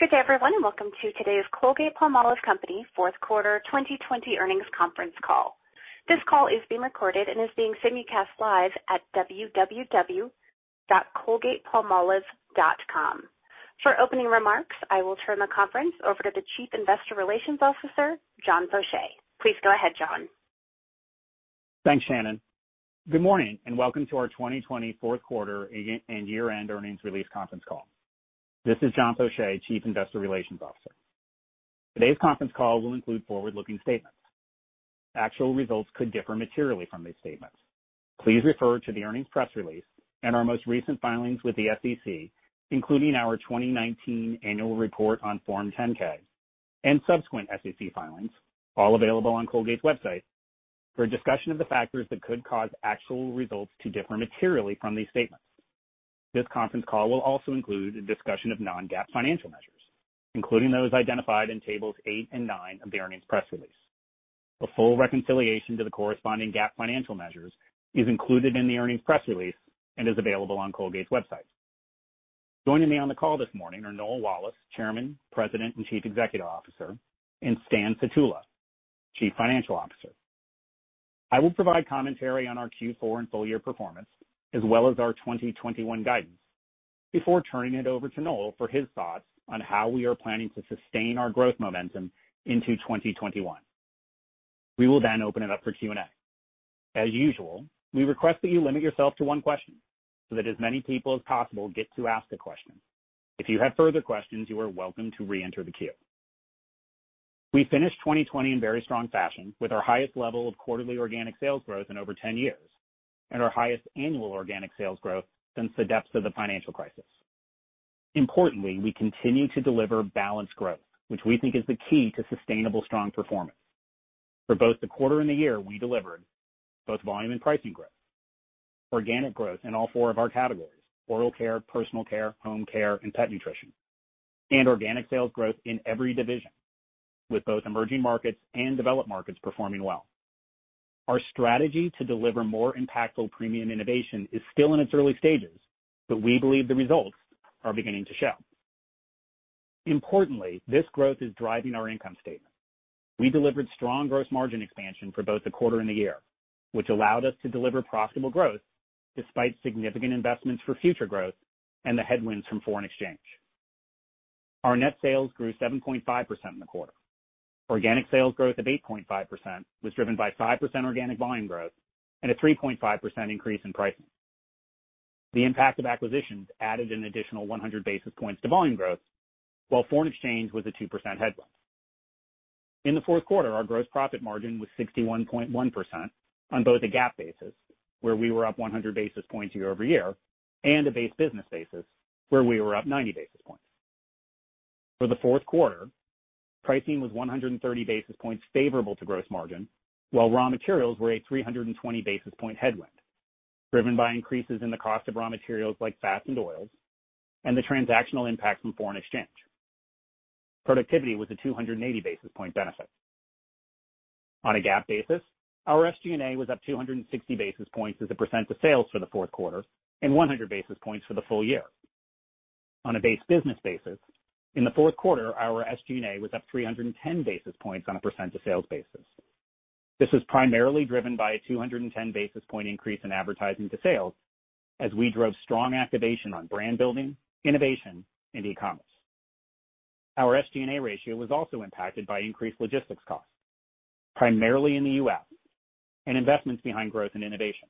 Good day, everyone, welcome to today's Colgate-Palmolive Company fourth quarter 2020 earnings conference call. This call is being recorded, is being simulcast live at www.colgatepalmolive.com. For opening remarks, I will turn the conference over to the Chief Investor Relations Officer, John Faucher. Please go ahead, John. Thanks, Shannon. Good morning, and welcome to our 2020 fourth quarter and year-end earnings release conference call. This is John Faucher, Chief Investor Relations Officer. Today's conference call will include forward-looking statements. Actual results could differ materially from these statements. Please refer to the earnings press release and our most recent filings with the SEC, including our 2019 annual report on Form 10-K and subsequent SEC filings, all available on Colgate's website, for a discussion of the factors that could cause actual results to differ materially from these statements. This conference call will also include a discussion of non-GAAP financial measures, including those identified in tables eight and nine of the earnings press release. A full reconciliation to the corresponding GAAP financial measures is included in the earnings press release and is available on Colgate's website. Joining me on the call this morning are Noel Wallace, Chairman, President, and Chief Executive Officer, and Stan Sutula, Chief Financial Officer. I will provide commentary on our Q4 and full-year performance, as well as our 2021 guidance, before turning it over to Noel for his thoughts on how we are planning to sustain our growth momentum into 2021. We will open it up for Q&A. As usual, we request that you limit yourself to one question so that as many people as possible get to ask a question. If you have further questions, you are welcome to reenter the queue. We finished 2020 in very strong fashion with our highest level of quarterly organic sales growth in over 10 years and our highest annual organic sales growth since the depths of the financial crisis. Importantly, we continue to deliver balanced growth, which we think is the key to sustainable, strong performance. For both the quarter and the year, we delivered both volume and pricing growth, organic growth in all four of our categories, oral care, personal care, home care, and pet nutrition, and organic sales growth in every division, with both emerging markets and developed markets performing well. Our strategy to deliver more impactful premium innovation is still in its early stages, but we believe the results are beginning to show. Importantly, this growth is driving our income statement. We delivered strong gross margin expansion for both the quarter and the year, which allowed us to deliver profitable growth despite significant investments for future growth and the headwinds from foreign exchange. Our net sales grew 7.5% in the quarter. Organic sales growth of 8.5% was driven by 5% organic volume growth and a 3.5% increase in pricing. The impact of acquisitions added an additional 100 basis points to volume growth, while foreign exchange was a 2% headwind. In the fourth quarter, our gross profit margin was 61.1% on both a GAAP basis, where we were up 100 basis points year-over-year, and a base business basis, where we were up 90 basis points. For the fourth quarter, pricing was 130 basis points favorable to gross margin, while raw materials were a 320 basis point headwind, driven by increases in the cost of raw materials like fats and oils and the transactional impact from foreign exchange. Productivity was a 280 basis point benefit. On a GAAP basis, our SG&A was up 260 basis points as a percent of sales for the fourth quarter and 100 basis points for the full year. On a base business basis, in the fourth quarter, our SG&A was up 310 basis points on a percent of sales basis. This was primarily driven by a 210 basis point increase in advertising to sales as we drove strong activation on brand building, innovation, and e-commerce. Our SG&A ratio was also impacted by increased logistics costs, primarily in the U.S., and investments behind growth and innovation.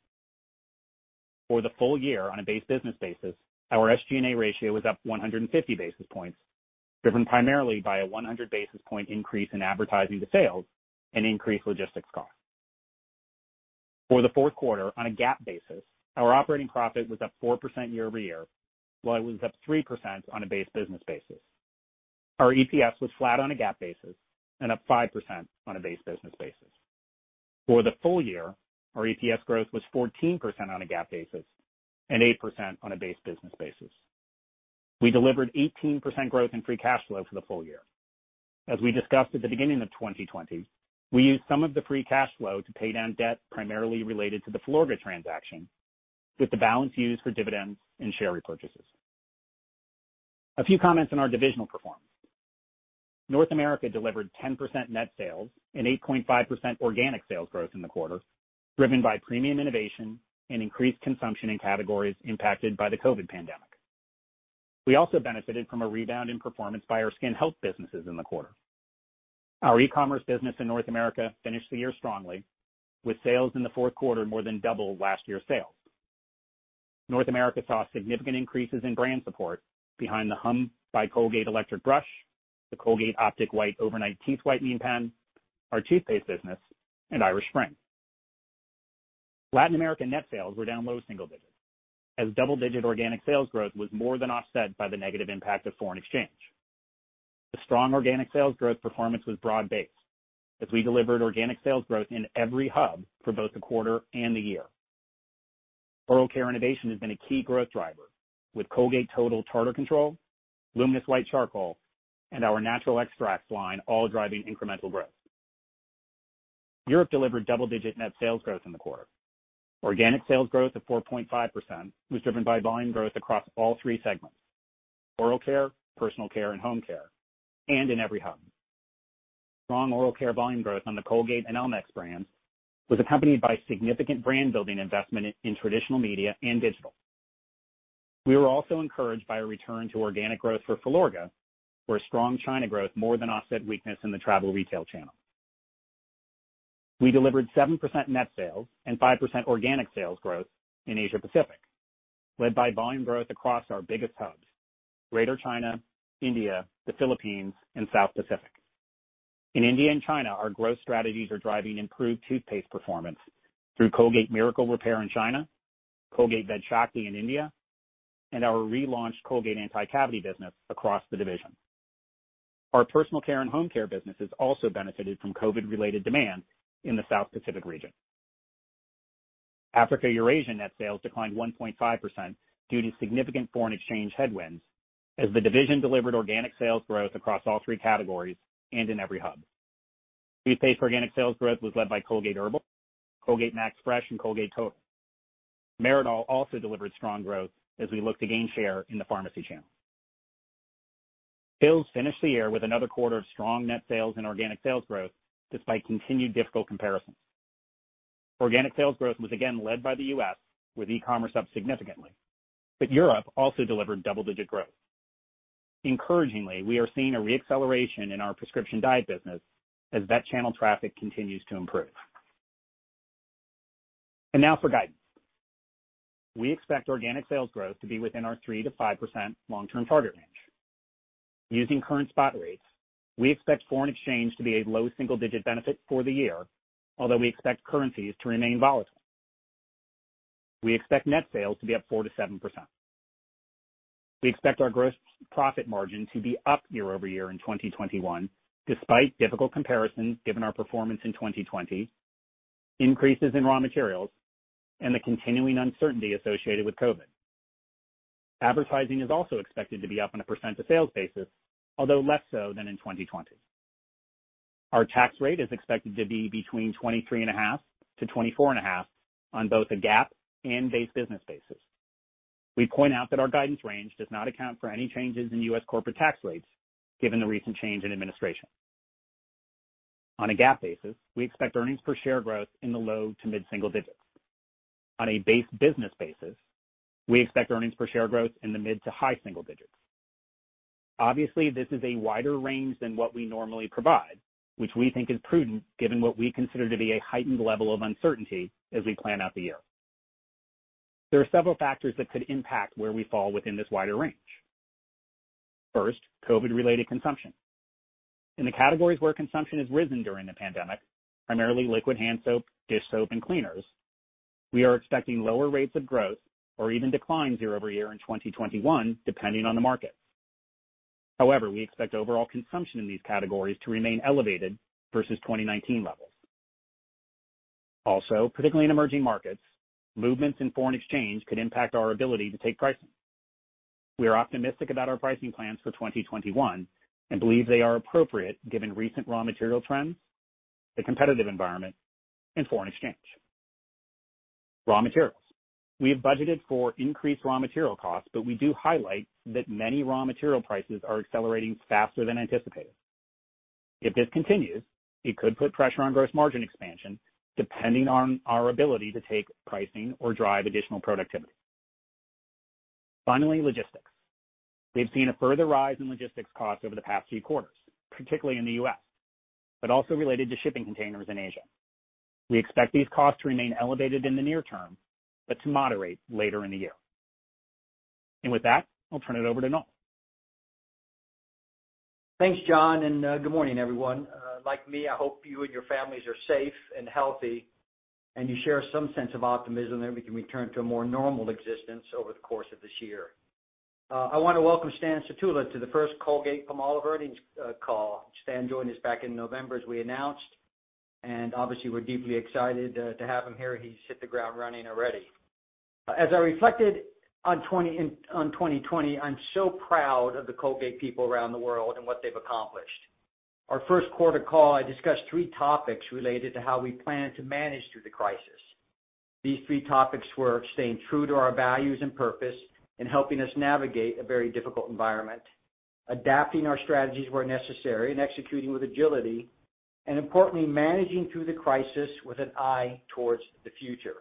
For the full year on a base business basis, our SG&A ratio was up 150 basis points, driven primarily by a 100 basis point increase in advertising to sales and increased logistics costs. For the fourth quarter on a GAAP basis, our operating profit was up 4% year-over-year, while it was up 3% on a base business basis. Our EPS was flat on a GAAP basis and up 5% on a base business basis. For the full year, our EPS growth was 14% on a GAAP basis and 8% on a base business basis. We delivered 18% growth in free cash flow for the full year. As we discussed at the beginning of 2020, we used some of the free cash flow to pay down debt primarily related to the Filorga transaction, with the balance used for dividends and share repurchases. A few comments on our divisional performance. North America delivered 10% net sales and 8.5% organic sales growth in the quarter, driven by premium innovation and increased consumption in categories impacted by the COVID pandemic. We also benefited from a rebound in performance by our skin health businesses in the quarter. Our e-commerce business in North America finished the year strongly, with sales in the fourth quarter more than double last year's sales. North America saw significant increases in brand support behind the hum by Colgate electric brush, the Colgate Optic White Overnight teeth whitening pen, our toothpaste business, and Irish Spring. Latin America net sales were down low single digits, as double-digit organic sales growth was more than offset by the negative impact of foreign exchange. The strong organic sales growth performance was broad-based, as we delivered organic sales growth in every hub for both the quarter and the year. Oral care innovation has been a key growth driver, with Colgate Total Tartar Control, Luminous White Charcoal, and our Natural Extracts line all driving incremental growth. Europe delivered double-digit net sales growth in the quarter. Organic sales growth of 4.5% was driven by volume growth across all three segments, oral care, personal care, and home care, and in every hub. Strong oral care volume growth on the Colgate and elmex brands was accompanied by significant brand-building investment in traditional media and digital. We were also encouraged by a return to organic growth for Filorga, where strong China growth more than offset weakness in the travel retail channel. We delivered 7% net sales and 5% organic sales growth in Asia Pacific, led by volume growth across our biggest hubs, Greater China, India, the Philippines, and South Pacific. In India and China, our growth strategies are driving improved toothpaste performance through Colgate Miracle Repair in China, Colgate Vedshakti in India, and our relaunched Colgate Anti-Cavity business across the division. Our personal care and home care businesses also benefited from COVID-related demand in the South Pacific region. Africa/Eurasia net sales declined 1.5% due to significant foreign exchange headwinds as the division delivered organic sales growth across all three categories and in every hub. Toothpaste organic sales growth was led by Colgate Herbal, Colgate Max Fresh, and Colgate Total. meridol also delivered strong growth as we look to gain share in the pharmacy channel. Hill's finished the year with another quarter of strong net sales and organic sales growth, despite continued difficult comparisons. Organic sales growth was again led by the U.S., with e-commerce up significantly, but Europe also delivered double-digit growth. Encouragingly, we are seeing a re-acceleration in our Prescription Diet business as vet channel traffic continues to improve. Now for guidance. We expect organic sales growth to be within our 3%-5% long-term target range. Using current spot rates, we expect foreign exchange to be a low single-digit benefit for the year, although we expect currencies to remain volatile. We expect net sales to be up 4% to 7%. We expect our gross profit margin to be up year-over-year in 2021, despite difficult comparisons given our performance in 2020, increases in raw materials, and the continuing uncertainty associated with COVID. Advertising is also expected to be up on a % of sales basis, although less so than in 2020. Our tax rate is expected to be between 23.5% and 24.5% on both a GAAP and base business basis. We point out that our guidance range does not account for any changes in U.S. corporate tax rates given the recent change in administration. On a GAAP basis, we expect earnings per share growth in the low to mid single digits. On a base business basis, we expect earnings per share growth in the mid to high single digits. Obviously, this is a wider range than what we normally provide, which we think is prudent given what we consider to be a heightened level of uncertainty as we plan out the year. There are several factors that could impact where we fall within this wider range. First, COVID-related consumption. In the categories where consumption has risen during the pandemic, primarily liquid hand soap, dish soap, and cleaners, we are expecting lower rates of growth or even declines year-over-year in 2021, depending on the market. We expect overall consumption in these categories to remain elevated versus 2019 levels. Particularly in emerging markets, movements in foreign exchange could impact our ability to take pricing. We are optimistic about our pricing plans for 2021 and believe they are appropriate given recent raw material trends, the competitive environment, and foreign exchange. Raw materials. We have budgeted for increased raw material costs, but we do highlight that many raw material prices are accelerating faster than anticipated. If this continues, it could put pressure on gross margin expansion, depending on our ability to take pricing or drive additional productivity. Logistics. We've seen a further rise in logistics costs over the past few quarters, particularly in the U.S., but also related to shipping containers in Asia. We expect these costs to remain elevated in the near term, but to moderate later in the year. With that, I'll turn it over to Noel. Thanks, John. Good morning, everyone. Like me, I hope you and your families are safe and healthy, and you share some sense of optimism that we can return to a more normal existence over the course of this year. I want to welcome Stan Sutula to the first Colgate-Palmolive earnings call. Stan joined us back in November, as we announced. Obviously, we're deeply excited to have him here. He's hit the ground running already. As I reflected on 2020, I'm so proud of the Colgate people around the world and what they've accomplished. On our first quarter call, I discussed three topics related to how we plan to manage through the crisis. These three topics were staying true to our values and purpose and helping us navigate a very difficult environment, adapting our strategies where necessary and executing with agility, and importantly, managing through the crisis with an eye towards the future.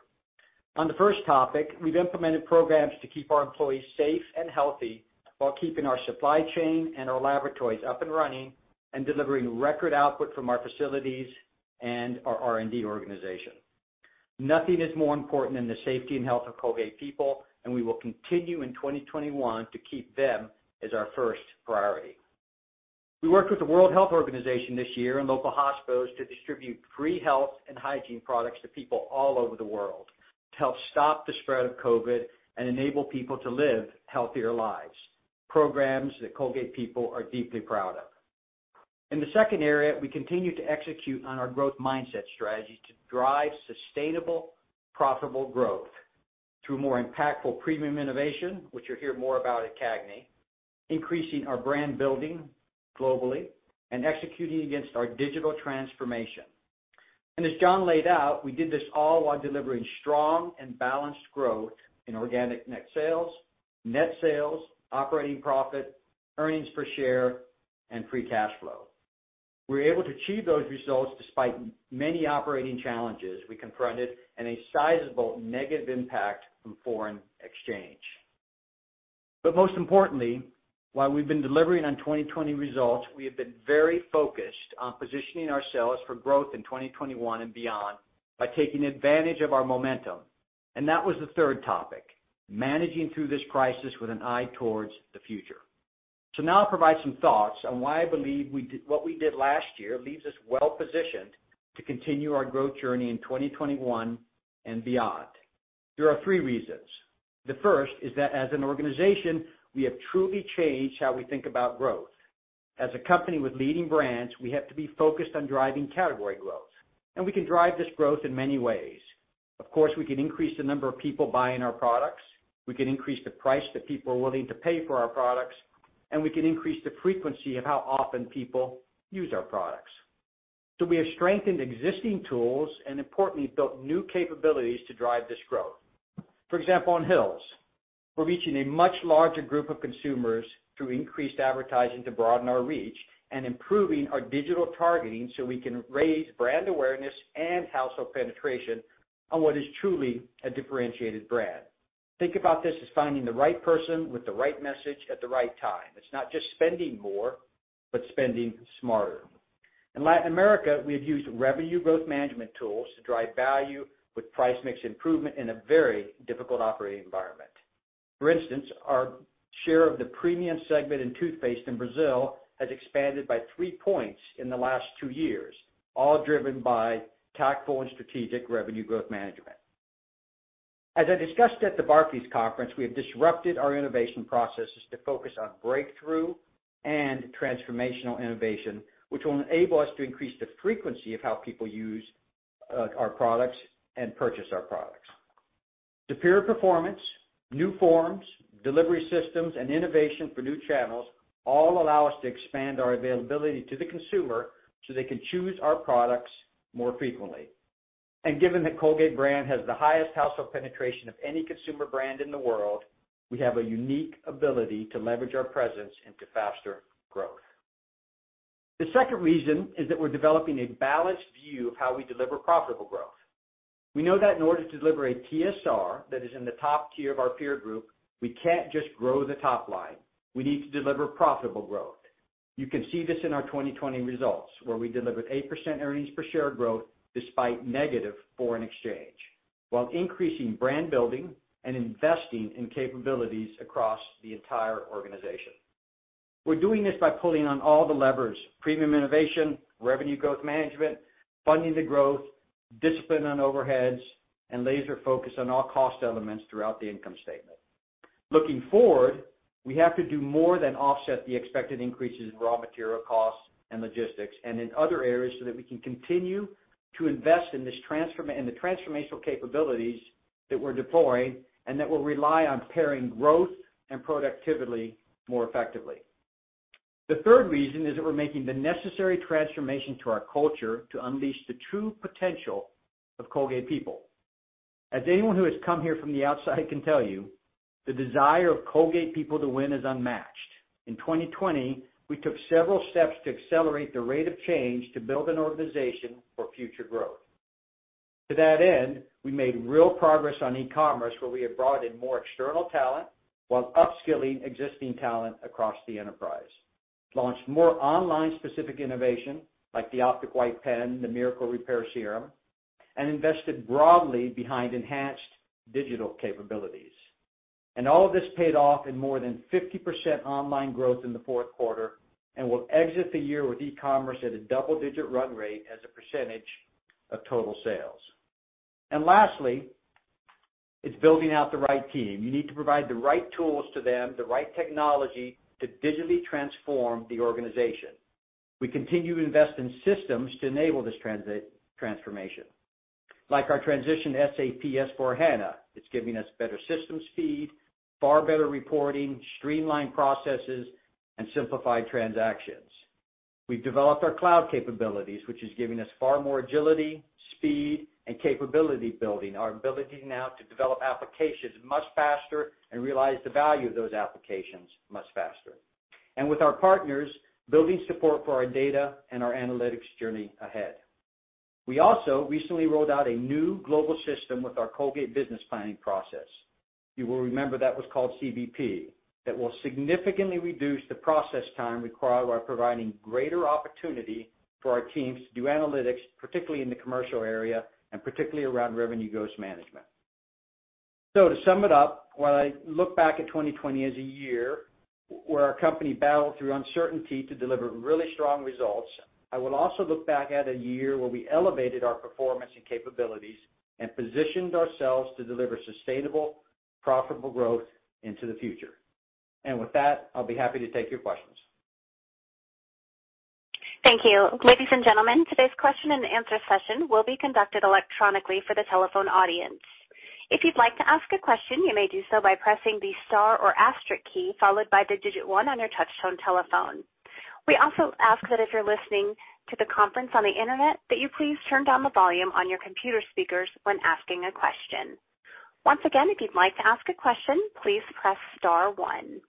On the first topic, we've implemented programs to keep our employees safe and healthy while keeping our supply chain and our laboratories up and running and delivering record output from our facilities and our R&D organization. Nothing is more important than the safety and health of Colgate people, and we will continue in 2021 to keep them as our first priority. We worked with the World Health Organization this year and local hospitals to distribute free health and hygiene products to people all over the world to help stop the spread of COVID and enable people to live healthier lives. Programs that Colgate people are deeply proud of. In the second area, we continue to execute on our growth mindset strategy to drive sustainable, profitable growth. Through more impactful premium innovation, which you'll hear more about at CAGNY, increasing our brand-building globally and executing against our digital transformation. As John laid out, we did this all while delivering strong and balanced growth in organic net sales, net sales, operating profit, earnings per share, and free cash flow. We were able to achieve those results despite many operating challenges we confronted and a sizable negative impact from foreign exchange. Most importantly, while we've been delivering on 2020 results, we have been very focused on positioning ourselves for growth in 2021 and beyond by taking advantage of our momentum. That was the third topic, managing through this crisis with an eye towards the future. Now I provide some thoughts on why I believe what we did last year leaves us well-positioned to continue our growth journey in 2021 and beyond. There are three reasons. The first is that as an organization, we have truly changed how we think about growth. As a company with leading brands, we have to be focused on driving category growth, and we can drive this growth in many ways. Of course, we can increase the number of people buying our products, we can increase the price that people are willing to pay for our products, and we can increase the frequency of how often people use our products. We have strengthened existing tools and importantly, built new capabilities to drive this growth. For example, on Hill's, we're reaching a much larger group of consumers through increased advertising to broaden our reach and improving our digital targeting so we can raise brand awareness and household penetration on what is truly a differentiated brand. Think about this as finding the right person with the right message at the right time. It's not just spending more, but spending smarter. In Latin America, we have used revenue growth management tools to drive value with price mix improvement in a very difficult operating environment. For instance, our share of the premium segment in toothpaste in Brazil has expanded by three points in the last two years, all driven by tactful and strategic revenue growth management. As I discussed at the Barclays conference, we have disrupted our innovation processes to focus on breakthrough and transformational innovation, which will enable us to increase the frequency of how people use our products and purchase our products. Superior performance, new forms, delivery systems, and innovation for new channels all allow us to expand our availability to the consumer so they can choose our products more frequently. Given that Colgate brand has the highest household penetration of any consumer brand in the world, we have a unique ability to leverage our presence into faster growth. The second reason is that we're developing a balanced view of how we deliver profitable growth. We know that in order to deliver a TSR that is in the top tier of our peer group, we can't just grow the top line. We need to deliver profitable growth. You can see this in our 2020 results, where we delivered 8% earnings per share growth despite negative foreign exchange, while increasing brand building and investing in capabilities across the entire organization. We're doing this by pulling on all the levers: premium innovation, revenue growth management, funding the growth, discipline on overheads, and laser focus on all cost elements throughout the income statement. Looking forward, we have to do more than offset the expected increases in raw material costs and logistics and in other areas, so that we can continue to invest in the transformational capabilities that we're deploying and that will rely on pairing growth and productivity more effectively. The third reason is that we're making the necessary transformation to our culture to unleash the true potential of Colgate people. As anyone who has come here from the outside can tell you, the desire of Colgate people to win is unmatched. In 2020, we took several steps to accelerate the rate of change to build an organization for future growth. To that end, we made real progress on e-commerce, where we have brought in more external talent while upskilling existing talent across the enterprise. Launched more online-specific innovation like the Optic White pen, the Miracle Repair Serum, invested broadly behind enhanced digital capabilities. All of this paid off in more than 50% online growth in the fourth quarter and will exit the year with e-commerce at a double-digit run rate as a percentage of total sales. Lastly, it's building out the right team. You need to provide the right tools to them, the right technology to digitally transform the organization. We continue to invest in systems to enable this transformation. Like our transition to SAP S/4HANA. It's giving us better system speed, far better reporting, streamlined processes, and simplified transactions. We've developed our cloud capabilities, which is giving us far more agility, speed, and capability building. Our ability now to develop applications much faster and realize the value of those applications much faster. With our partners, building support for our data and our analytics journey ahead. We also recently rolled out a new global system with our Colgate business planning process. You will remember that was called CBP. That will significantly reduce the process time required while providing greater opportunity for our teams to do analytics, particularly in the commercial area and particularly around revenue growth management. To sum it up, while I look back at 2020 as a year where our company battled through uncertainty to deliver really strong results, I will also look back at a year where we elevated our performance and capabilities and positioned ourselves to deliver sustainable, profitable growth into the future. With that, I'll be happy to take your questions. Thank you. Ladies and gentlemen, today's question and answer session will be conducted electronically for the telephone audience. If you'd like to ask a question, you may do so by pressing the star or asterisk key, followed by the digit one on your touch-tone telephone. We also ask that if you're listening to the conference on the Internet, that you please turn down the volume on your computer speakers when asking a question. Once again, if you'd like to ask a question, please press star one.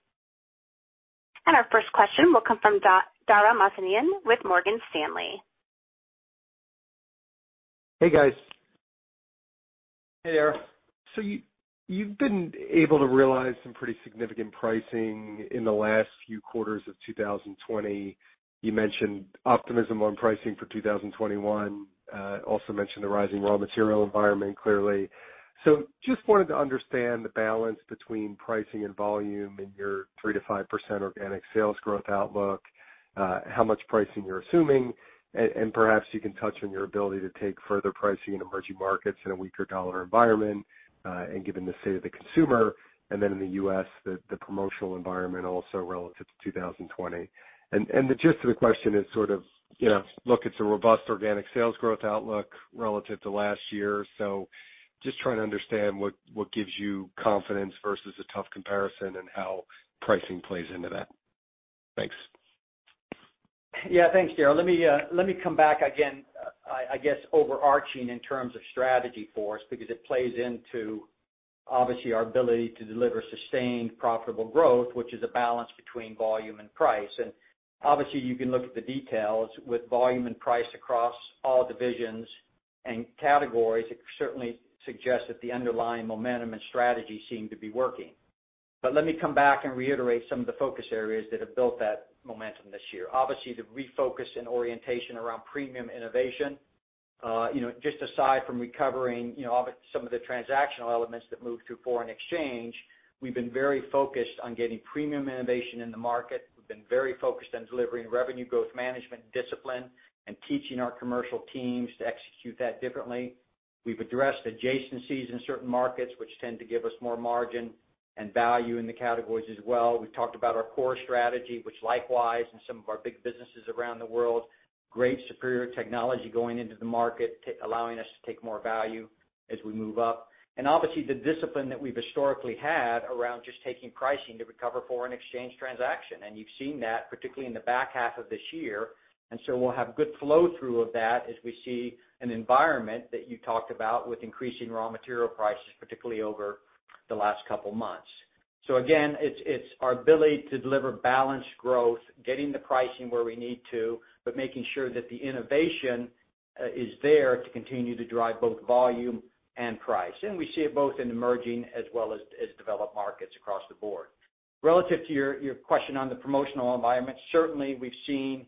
Our first question will come from Dara Mohsenian with Morgan Stanley. Hey, guys. Hey, Dara. You've been able to realize some pretty significant pricing in the last few quarters of 2020. You mentioned optimism on pricing for 2021. Also mentioned the rising raw material environment, clearly. Just wanted to understand the balance between pricing and volume in your 3%-5% organic sales growth outlook, how much pricing you're assuming, and perhaps you can touch on your ability to take further pricing in emerging markets in a weaker dollar environment, and given the state of the consumer, and then in the U.S., the promotional environment also relative to 2020. The gist of the question is sort of, look, it's a robust organic sales growth outlook relative to last year. Just trying to understand what gives you confidence versus a tough comparison and how pricing plays into that. Thanks. Yeah. Thanks, Dara. Let me come back again, I guess, overarching in terms of strategy for us, because it plays into, obviously, our ability to deliver sustained profitable growth, which is a balance between volume and price. Obviously you can look at the details with volume and price across all divisions and categories. It certainly suggests that the underlying momentum and strategy seem to be working. Let me come back and reiterate some of the focus areas that have built that momentum this year. Obviously, the refocus and orientation around premium innovation. Just aside from recovering some of the transactional elements that moved through foreign exchange, we've been very focused on getting premium innovation in the market. We've been very focused on delivering revenue growth management discipline and teaching our commercial teams to execute that differently. We've addressed adjacencies in certain markets, which tend to give us more margin and value in the categories as well. We've talked about our core strategy, which likewise, in some of our big businesses around the world, great superior technology going into the market, allowing us to take more value as we move up. Obviously, the discipline that we've historically had around just taking pricing to recover foreign exchange transaction. You've seen that particularly in the back half of this year. We'll have good flow-through of that as we see an environment that you talked about with increasing raw material prices, particularly over the last couple of months. Again, it's our ability to deliver balanced growth, getting the pricing where we need to, but making sure that the innovation is there to continue to drive both volume and price. We see it both in emerging as well as developed markets across the board. Relative to your question on the promotional environment, certainly we've seen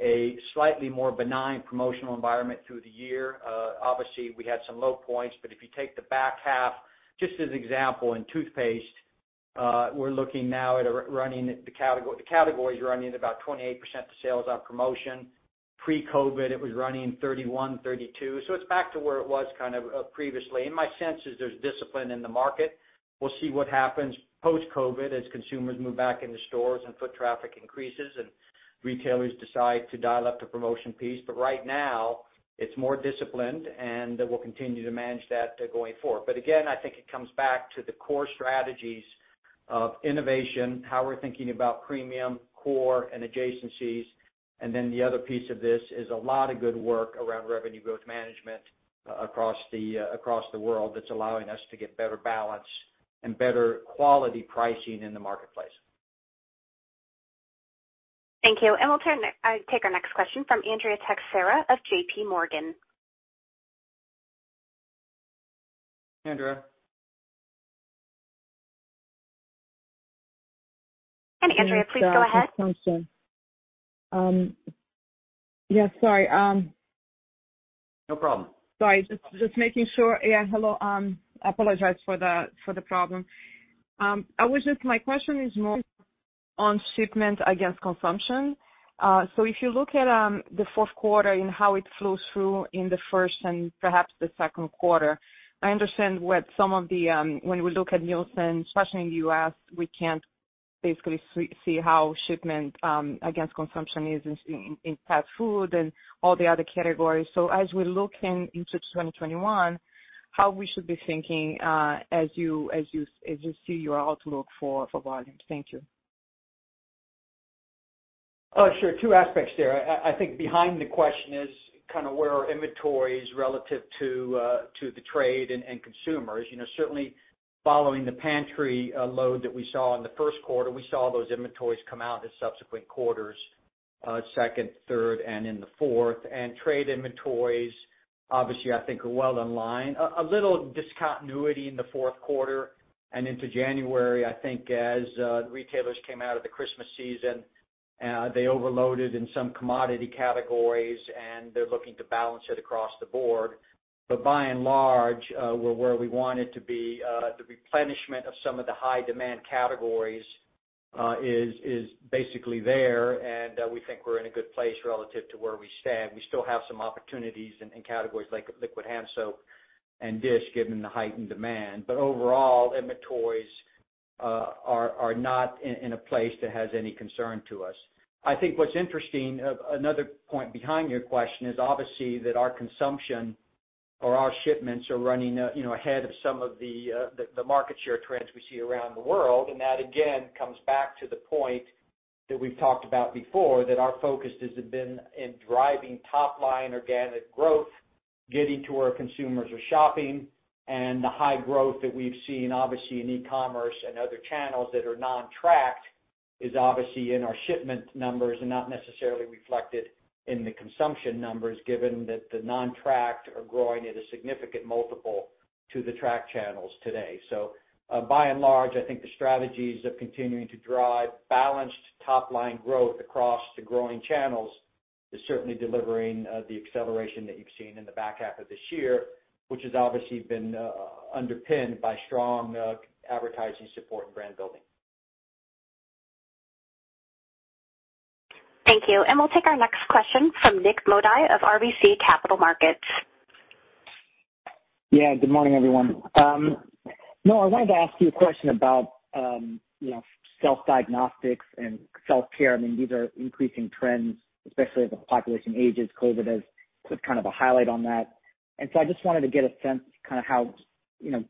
a slightly more benign promotional environment through the year. Obviously, we had some low points, but if you take the back half, just as an example, in toothpaste, the category's running about 28% of sales on promotion. Pre-COVID, it was running 31%, 32%. It's back to where it was kind of previously. My sense is there's discipline in the market. We'll see what happens post-COVID as consumers move back into stores and foot traffic increases and retailers decide to dial up the promotion piece. Right now, it's more disciplined, and we'll continue to manage that going forward. Again, I think it comes back to the core strategies of innovation, how we're thinking about premium, core, and adjacencies. The other piece of this is a lot of good work around revenue growth management across the world that's allowing us to get better balance and better quality pricing in the marketplace. Thank you. We'll take our next question from Andrea Teixeira of JPMorgan. Andrea. Andrea, please go ahead. Yes, sorry. No problem. Sorry, just making sure. Yeah, hello. I apologize for the problem. My question is more on shipment against consumption. If you look at the fourth quarter and how it flows through in the first and perhaps the second quarter, I understand when we look at Nielsen, especially in the U.S., we can't basically see how shipment against consumption is in pet food and all the other categories. As we look into 2021, how we should be thinking as you see your outlook for volume. Thank you. Oh, sure. Two aspects there. I think behind the question is kind of where our inventory is relative to the trade and consumers. Certainly following the pantry load that we saw in the first quarter, we saw those inventories come out in subsequent quarters, second, third, and in the fourth. Trade inventories, obviously, I think are well in line. A little discontinuity in the fourth quarter and into January, I think as retailers came out of the Christmas season, they overloaded in some commodity categories, and they're looking to balance it across the board. By and large, we're where we wanted to be. The replenishment of some of the high-demand categories is basically there, and we think we're in a good place relative to where we stand. We still have some opportunities in categories like liquid hand soap and dish, given the heightened demand. Overall, inventories are not in a place that has any concern to us. I think what's interesting, another point behind your question is obviously that our consumption or our shipments are running up ahead of some of the market share trends we see around the world. That, again, comes back to the point that we've talked about before, that our focus has been in driving top-line organic growth, getting to where our consumers are shopping, and the high growth that we've seen, obviously, in e-commerce and other channels that are non-tracked is obviously in our shipment numbers and not necessarily reflected in the consumption numbers, given that the non-tracked are growing at a significant multiple to the tracked channels today. By and large, I think the strategies of continuing to drive balanced top-line growth across the growing channels is certainly delivering the acceleration that you've seen in the back half of this year, which has obviously been underpinned by strong advertising support and brand building. Thank you. We'll take our next question from Nik Modi of RBC Capital Markets. Yeah. Good morning, everyone. Noel, I wanted to ask you a question about self-diagnostics and self-care. These are increasing trends, especially as the population ages. COVID has put kind of a highlight on that. I just wanted to get a sense kind of how,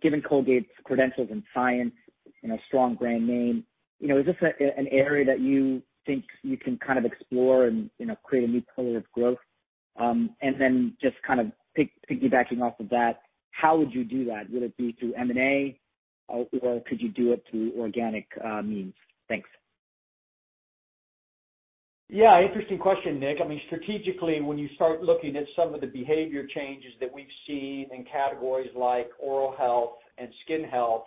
given Colgate's credentials in science and a strong brand name, is this an area that you think you can kind of explore and create a new pillar of growth? Just kind of piggybacking off of that, how would you do that? Would it be through M&A or could you do it through organic means? Thanks. Interesting question, Nik. Strategically, when you start looking at some of the behavior changes that we've seen in categories like oral health and skin health.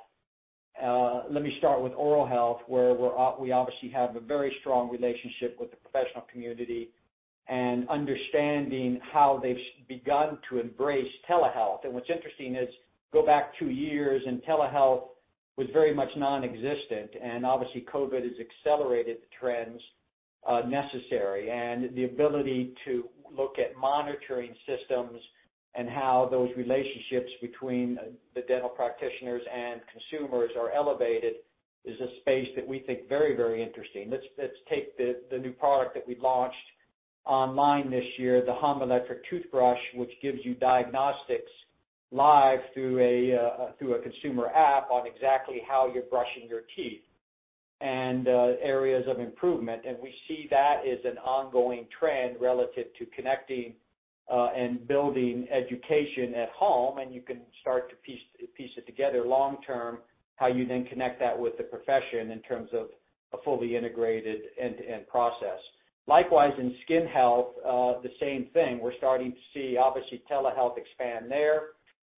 Let me start with oral health, where we obviously have a very strong relationship with the professional community and understanding how they've begun to embrace telehealth. What's interesting is go back two years, and telehealth was very much nonexistent, and obviously COVID has accelerated the trends necessary and the ability to look at monitoring systems and how those relationships between the dental practitioners and consumers are elevated is a space that we think very interesting. Let's take the new product that we launched online this year, the hum electric toothbrush, which gives you diagnostics live through a consumer app on exactly how you're brushing your teeth and areas of improvement. We see that as an ongoing trend relative to connecting and building education at home. You can start to piece it together long term, how you then connect that with the profession in terms of a fully integrated end-to-end process. Likewise, in skin health, the same thing. We're starting to see, obviously, telehealth expand there.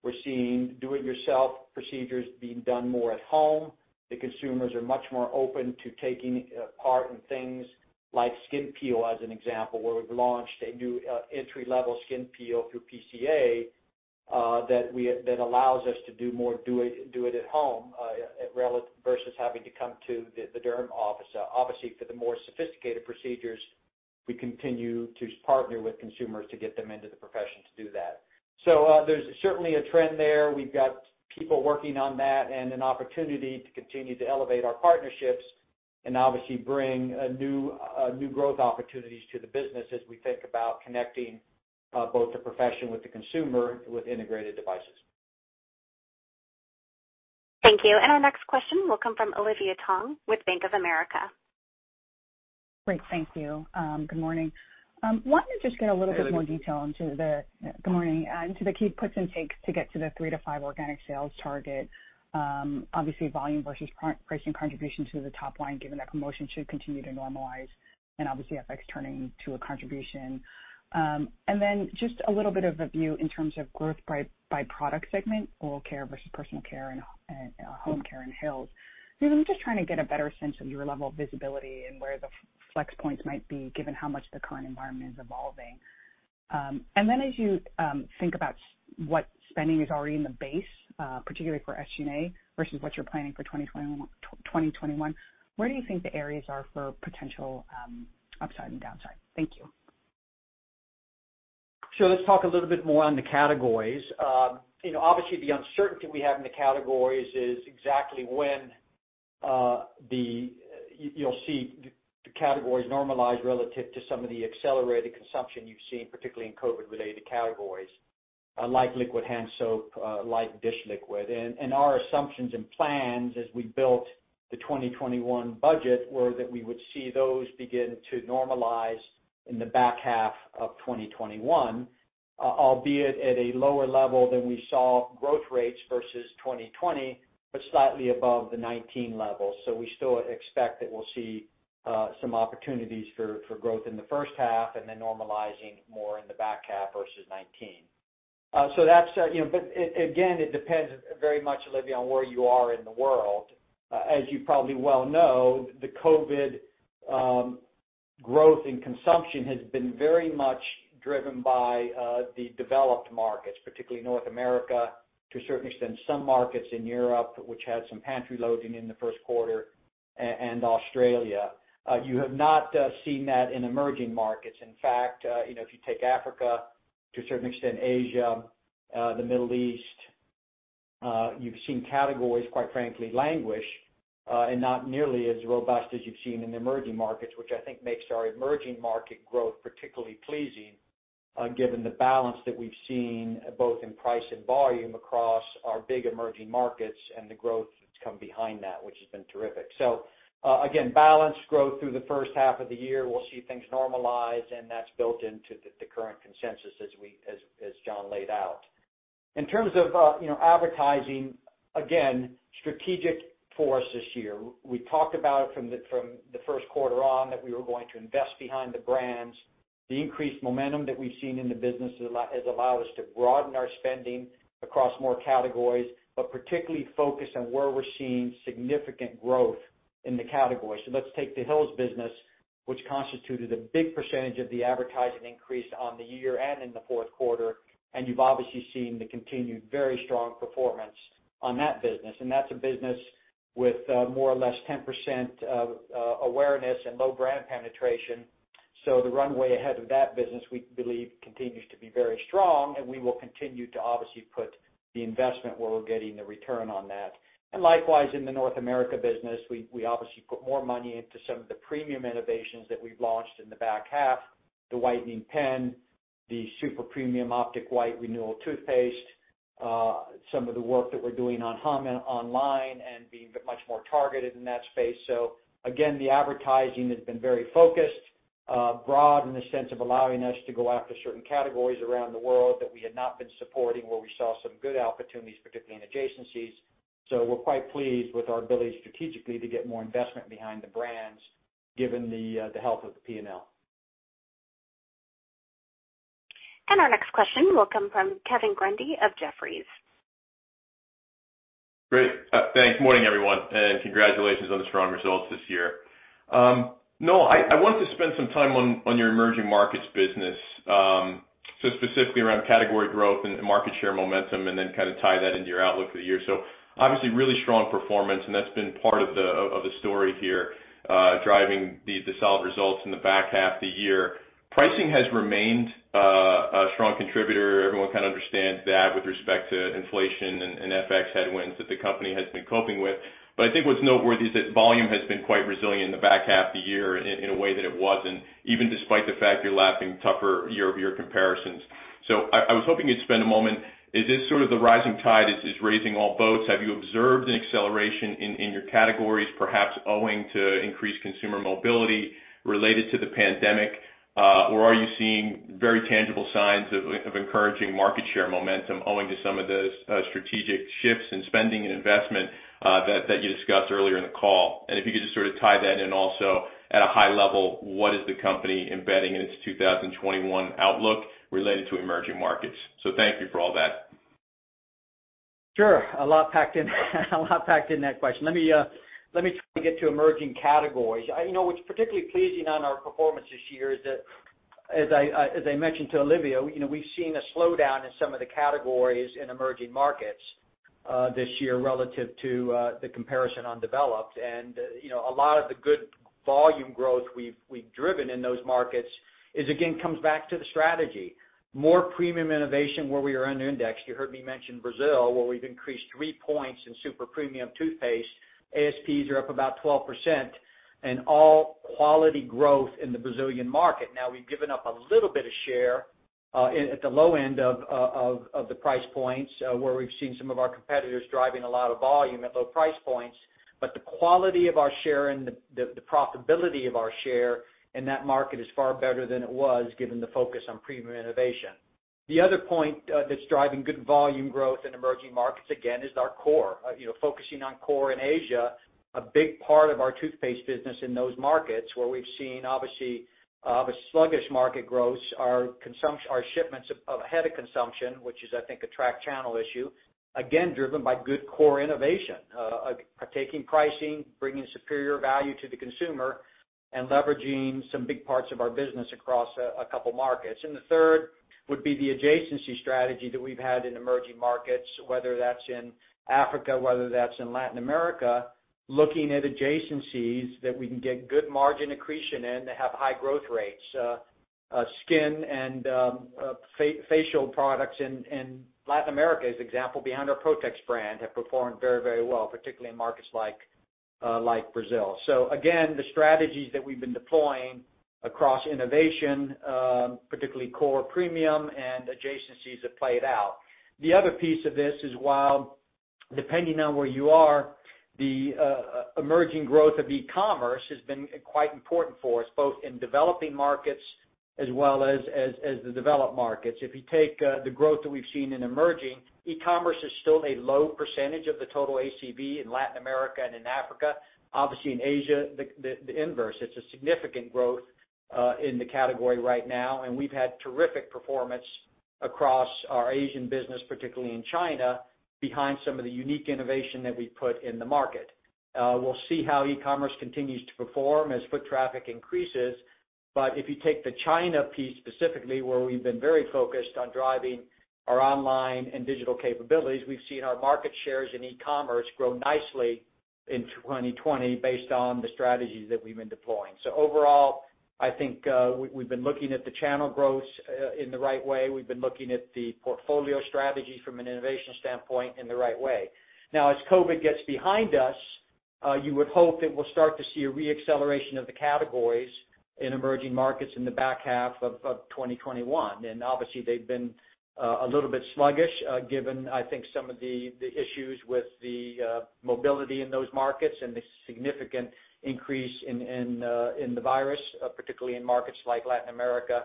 We're seeing do-it-yourself procedures being done more at home. The consumers are much more open to taking a part in things like skin peel as an example, where we've launched a new entry-level skin peel through PCA that allows us to do more do it at home versus having to come to the derm office. Obviously, for the more sophisticated procedures, we continue to partner with consumers to get them into the profession to do that. There's certainly a trend there. We've got people working on that and an opportunity to continue to elevate our partnerships and obviously bring new growth opportunities to the business as we think about connecting both the profession with the consumer with integrated devices. Thank you. Our next question will come from Olivia Tong with Bank of America. Great. Thank you. Good morning. Wanted to just get a little bit more detail into the. Good morning. Good morning. Into the key puts and takes to get to the 3%-5% organic sales target. Obviously volume versus price and contribution to the top line, given that promotion should continue to normalize and obviously FX turning to a contribution. Then just a little bit of a view in terms of growth by product segment, oral care versus personal care and home care and Hill's. I'm just trying to get a better sense of your level of visibility and where the flex points might be given how much the current environment is evolving. Then as you think about what spending is already in the base, particularly for SG&A versus what you're planning for 2021, where do you think the areas are for potential upside and downside? Thank you. Sure. Let's talk a little bit more on the categories. The uncertainty we have in the categories is exactly when you'll see the categories normalize relative to some of the accelerated consumption you've seen, particularly in COVID-related categories like liquid hand soap, like dish liquid. Our assumptions and plans as we built the 2021 budget were that we would see those begin to normalize in the back half of 2021, albeit at a lower level than we saw growth rates versus 2020, but slightly above the 2019 levels. We still expect that we'll see some opportunities for growth in the first half and then normalizing more in the back half versus 2019. Again, it depends very much, Olivia, on where you are in the world. As you probably well know, the COVID growth in consumption has been very much driven by the developed markets, particularly North America, to a certain extent some markets in Europe, which had some pantry loading in the first quarter and Australia. You have not seen that in emerging markets. In fact, if you take Africa, to a certain extent, Asia, the Middle East, you've seen categories, quite frankly, languish, and not nearly as robust as you've seen in the emerging markets, which I think makes our emerging market growth particularly pleasing given the balance that we've seen both in price and volume across our big emerging markets, and the growth that's come behind that, which has been terrific. Again, balanced growth through the first half of the year. We'll see things normalize, and that's built into the current consensus as John laid out. In terms of advertising, again, strategic for us this year. We talked about it from the first quarter on, that we were going to invest behind the brands. The increased momentum that we've seen in the business has allowed us to broaden our spending across more categories, but particularly focus on where we're seeing significant growth in the categories. Let's take the Hill's business, which constituted a big percentage of the advertising increase on the year and in the fourth quarter, and you've obviously seen the continued very strong performance on that business. That's a business with more or less 10% awareness and low brand penetration. The runway ahead of that business, we believe, continues to be very strong, and we will continue to obviously put the investment where we're getting the return on that. Likewise, in the North America business, we obviously put more money into some of the premium innovations that we've launched in the back half, the whitening pen, the super premium Optic White Renewal toothpaste, some of the work that we're doing on online and being much more targeted in that space. Again, the advertising has been very focused, broad in the sense of allowing us to go after certain categories around the world that we had not been supporting, where we saw some good opportunities, particularly in adjacencies. We're quite pleased with our ability strategically to get more investment behind the brands given the health of the P&L. Our next question will come from Kevin Grundy of Jefferies. Great. Thanks. Morning, everyone, and congratulations on the strong results this year. Noel, I wanted to spend some time on your emerging markets business, specifically around category growth and market share momentum, and then kind of tie that into your outlook for the year. Obviously, really strong performance, and that's been part of the story here, driving the solid results in the back half of the year. Pricing has remained a strong contributor. Everyone kind of understands that with respect to inflation and FX headwinds that the company has been coping with. I think what's noteworthy is that volume has been quite resilient in the back half of the year in a way that it wasn't, even despite the fact you're lapping tougher year-over-year comparisons. I was hoping you'd spend a moment. Is this sort of the rising tide is raising all boats? Have you observed an acceleration in your categories, perhaps owing to increased consumer mobility related to the pandemic? Or are you seeing very tangible signs of encouraging market share momentum owing to some of the strategic shifts in spending and investment that you discussed earlier in the call? If you could just sort of tie that in also, at a high level, what is the company embedding in its 2021 outlook related to emerging markets? Thank you for all that. Sure. A lot packed in that question. Let me try to get to emerging categories. What's particularly pleasing on our performance this year is that, as I mentioned to Olivia, we've seen a slowdown in some of the categories in emerging markets this year relative to the comparison on developed. A lot of the good volume growth we've driven in those markets, again, comes back to the strategy. More premium innovation where we are under indexed. You heard me mention Brazil, where we've increased three points in super premium toothpaste. ASPs are up about 12%, and all quality growth in the Brazilian market. Now, we've given up a little bit of share at the low end of the price points, where we've seen some of our competitors driving a lot of volume at low price points. The quality of our share and the profitability of our share in that market is far better than it was given the focus on premium innovation. The other point that's driving good volume growth in emerging markets, again, is our core, focusing on core in Asia, a big part of our toothpaste business in those markets, where we've seen, obviously, sluggish market growth. Our shipments ahead of consumption, which is, I think, a track channel issue, again, driven by good core innovation, taking pricing, bringing superior value to the consumer, and leveraging some big parts of our business across a couple markets. The third would be the adjacency strategy that we've had in emerging markets, whether that's in Africa, whether that's in Latin America, looking at adjacencies that we can get good margin accretion in that have high growth rates. Skin and facial products in Latin America, as an example, behind our Protex brand, have performed very well, particularly in markets like Brazil. Again, the strategies that we've been deploying across innovation, particularly core premium and adjacencies, have played out. The other piece of this is while depending on where you are, the emerging growth of e-commerce has been quite important for us, both in developing markets as well as the developed markets. If you take the growth that we've seen in emerging, e-commerce is still a low percentage of the total ACV in Latin America and in Africa. In Asia, the inverse. It's a significant growth in the category right now, and we've had terrific performance across our Asian business, particularly in China, behind some of the unique innovation that we've put in the market. We'll see how e-commerce continues to perform as foot traffic increases. If you take the China piece specifically, where we've been very focused on driving our online and digital capabilities, we've seen our market shares in e-commerce grow nicely in 2020 based on the strategies that we've been deploying. Overall, I think we've been looking at the channel growth in the right way. We've been looking at the portfolio strategy from an innovation standpoint in the right way. Now, as COVID gets behind us, you would hope that we'll start to see a re-acceleration of the categories in emerging markets in the back half of 2021. Obviously they've been a little bit sluggish, given, I think, some of the issues with the mobility in those markets and the significant increase in the virus, particularly in markets like Latin America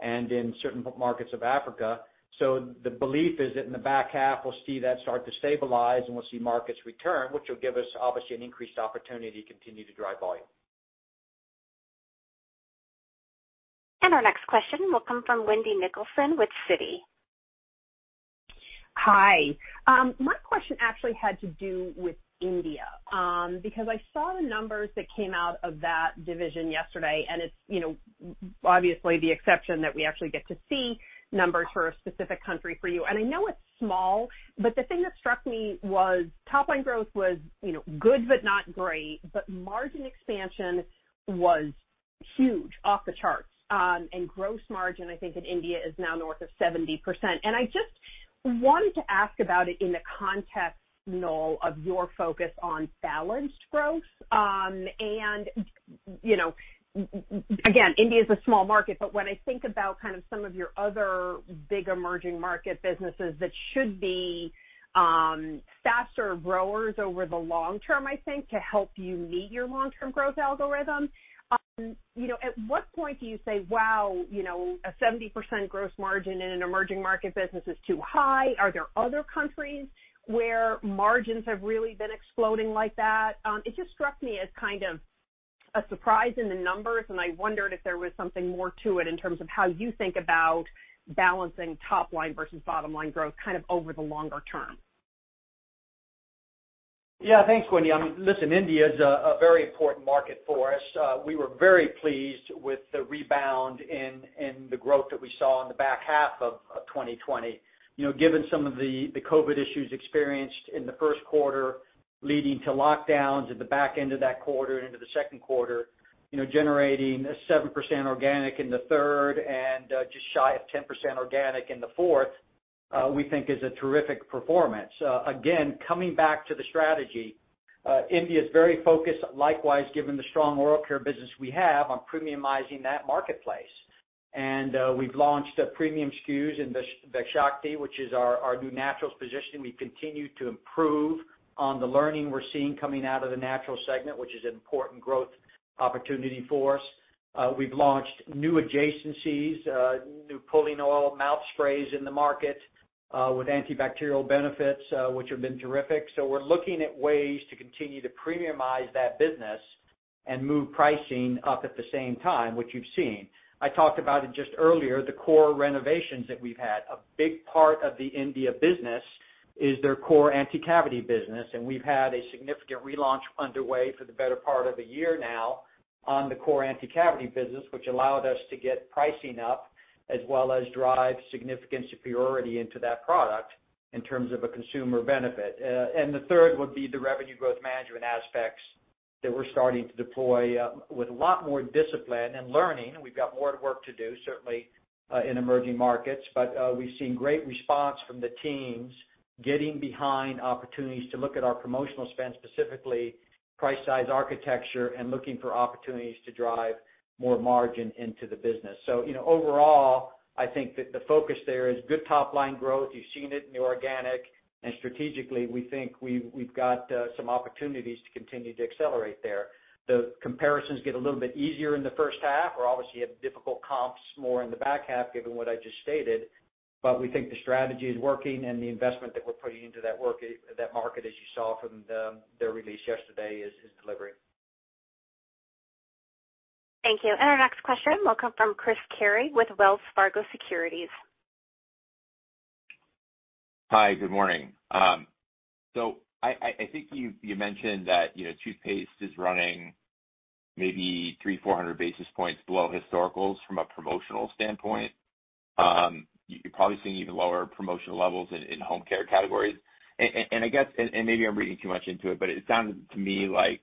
and in certain markets of Africa. The belief is that in the back half, we'll see that start to stabilize, and we'll see markets return, which will give us, obviously, an increased opportunity to continue to drive volume. Our next question will come from Wendy Nicholson with Citi. Hi. My question actually had to do with India. I saw the numbers that came out of that division yesterday, and it's obviously the exception that we actually get to see numbers for a specific country for you. I know it's small, but the thing that struck me was top line growth was good, but not great. Margin expansion was huge, off the charts. Gross margin, I think, in India is now north of 70%. I just wanted to ask about it in the context, Noel, of your focus on balanced growth. Again, India is a small market, but when I think about kind of some of your other big emerging market businesses that should be faster growers over the long term, I think, to help you meet your long-term growth algorithm. At what point do you say, wow, a 70% gross margin in an emerging market business is too high? Are there other countries where margins have really been exploding like that? It just struck me as kind of a surprise in the numbers, and I wondered if there was something more to it in terms of how you think about balancing top line versus bottom line growth over the longer term. Thanks, Wendy. Listen, India is a very important market for us. We were very pleased with the rebound in the growth that we saw in the back half of 2020. Given some of the COVID issues experienced in the first quarter leading to lockdowns at the back end of that quarter and into the second quarter, generating a 7% organic in the third and just shy of 10% organic in the fourth, we think is a terrific performance. Coming back to the strategy, India is very focused, likewise, given the strong oral care business we have on premiumizing that marketplace. We've launched premium SKUs in Vedshakti, which is our new naturals position. We continue to improve on the learning we're seeing coming out of the natural segment, which is an important growth opportunity for us. We've launched new adjacencies, new pulling oil mouth sprays in the market, with antibacterial benefits, which have been terrific. We're looking at ways to continue to premiumize that business and move pricing up at the same time, which you've seen. I talked about it just earlier, the core renovations that we've had. A big part of the India business is their core anti-cavity business, and we've had a significant relaunch underway for the better part of a year now on the core anti-cavity business, which allowed us to get pricing up as well as drive significant superiority into that product in terms of a consumer benefit. The third would be the revenue growth management aspects that we're starting to deploy with a lot more discipline and learning. We've got more work to do, certainly, in emerging markets. We've seen great response from the teams getting behind opportunities to look at our promotional spend, specifically price size architecture, and looking for opportunities to drive more margin into the business. Overall, I think that the focus there is good top-line growth. You've seen it in the organic, and strategically, we think we've got some opportunities to continue to accelerate there. The comparisons get a little bit easier in the first half. We're obviously at difficult comps more in the back half, given what I just stated, we think the strategy is working and the investment that we're putting into that market, as you saw from their release yesterday, is delivering. Thank you. Our next question will come from Chris Carey with Wells Fargo Securities. Hi, good morning. I think you mentioned that toothpaste is running maybe 300-400 basis points below historicals from a promotional standpoint. You're probably seeing even lower promotional levels in home care categories. I guess, maybe I'm reading too much into it, but it sounds to me like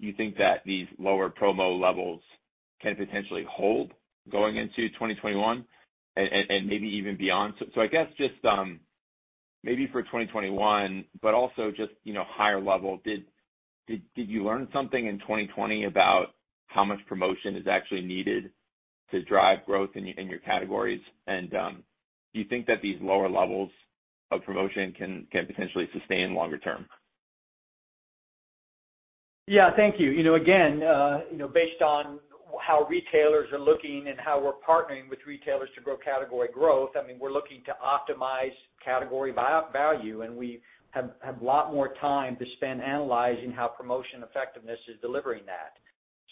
you think that these lower promo levels can potentially hold going into 2021 and maybe even beyond. I guess just maybe for 2021, but also just higher level, did you learn something in 2020 about how much promotion is actually needed to drive growth in your categories? Do you think that these lower levels of promotion can potentially sustain longer term? Yeah, thank you. Again, based on how retailers are looking and how we're partnering with retailers to grow category growth, I mean, we're looking to optimize category value, and we have a lot more time to spend analyzing how promotion effectiveness is delivering that.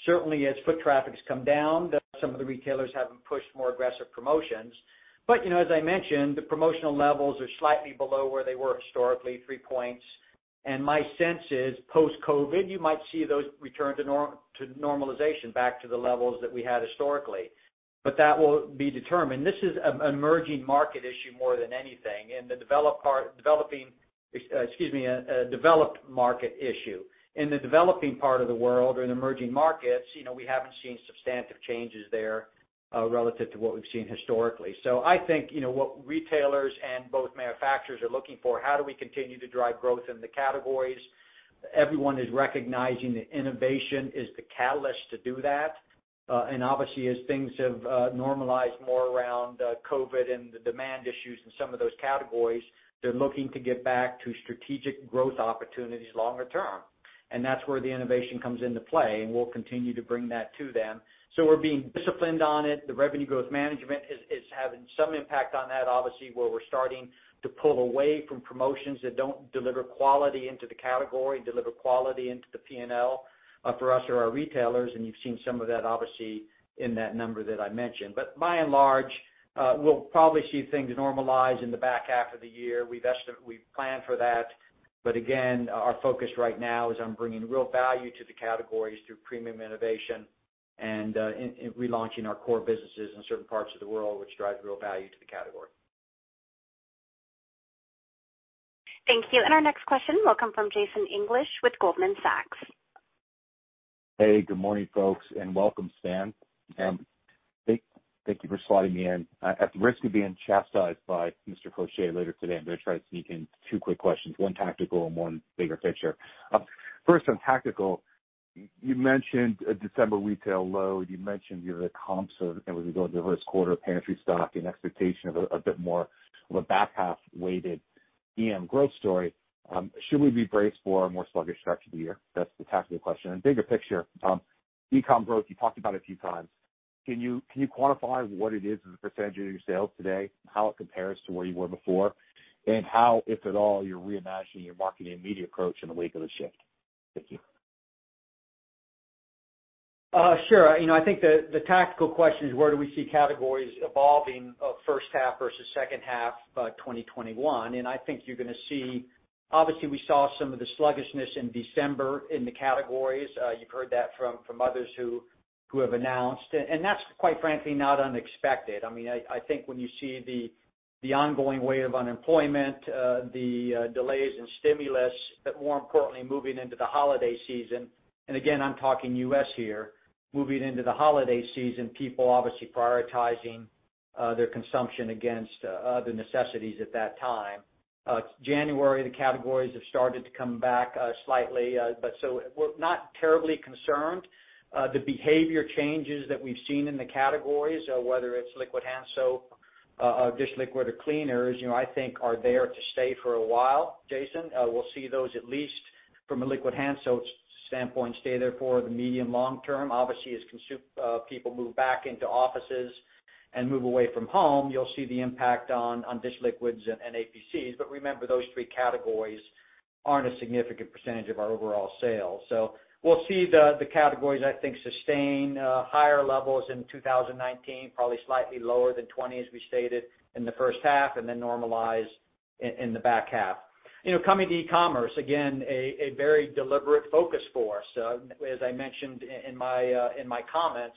Certainly, as foot traffic's come down, some of the retailers haven't pushed more aggressive promotions. As I mentioned, the promotional levels are slightly below where they were historically, three points. My sense is post-COVID, you might see those return to normalization back to the levels that we had historically. That will be determined. This is an emerging market issue more than anything. In the developed part, a developed market issue. In the developing part of the world or in emerging markets, we haven't seen substantive changes there relative to what we've seen historically. I think, what retailers and both manufacturers are looking for, how do we continue to drive growth in the categories? Everyone is recognizing that innovation is the catalyst to do that. Obviously as things have normalized more around COVID and the demand issues in some of those categories, they're looking to get back to strategic growth opportunities longer term. That's where the innovation comes into play, and we'll continue to bring that to them. We're being disciplined on it. The revenue growth management is having some impact on that, obviously, where we're starting to pull away from promotions that don't deliver quality into the category, deliver quality into the P&L for us or our retailers. You've seen some of that obviously in that number that I mentioned. By and large, we'll probably see things normalize in the back half of the year. We've estimated, we've planned for that. Again, our focus right now is on bringing real value to the categories through premium innovation and relaunching our core businesses in certain parts of the world, which drives real value to the category. Thank you. Our next question will come from Jason English with Goldman Sachs. Hey, good morning, folks, and welcome, Stan. Thank you for slotting me in. At the risk of being chastised by Mr. Faucher later today, I'm going to try to sneak in two quick questions, one tactical and one bigger picture. First, on tactical, you mentioned a December retail low. You mentioned your comps as we go into the first quarter, pantry stock and expectation of a bit more of a back-half-weighted EM growth story. Should we be braced for a more sluggish stretch of the year? That's the tactical question. Bigger picture, Tom, e-com growth, you talked about a few times. Can you quantify what it is as a % of your sales today and how it compares to where you were before? How, if at all, you're reimagining your marketing and media approach in the wake of the shift? Thank you. Sure. I think the tactical question is where do we see categories evolving first half versus second half of 2021? Obviously we saw some of the sluggishness in December in the categories. You've heard that from others who have announced, and that's quite frankly not unexpected. I think when you see the ongoing wave of unemployment, the delays in stimulus, but more importantly, moving into the holiday season, and again, I'm talking U.S. here, moving into the holiday season, people obviously prioritizing their consumption against other necessities at that time. January, the categories have started to come back slightly, but so we're not terribly concerned. The behavior changes that we've seen in the categories, whether it's liquid hand soap, dish liquid, or cleaners, I think are there to stay for a while, Jason. We'll see those, at least from a liquid hand soap standpoint, stay there for the medium long term. Obviously, as people move back into offices and move away from home, you'll see the impact on dish liquids and APCs. Remember, those three categories aren't a significant percentage of our overall sales. We'll see the categories, I think, sustain higher levels in 2019, probably slightly lower than 2020, as we stated in the first half, and then normalize in the back half. Coming to e-commerce, again, a very deliberate focus for us, as I mentioned in my comments.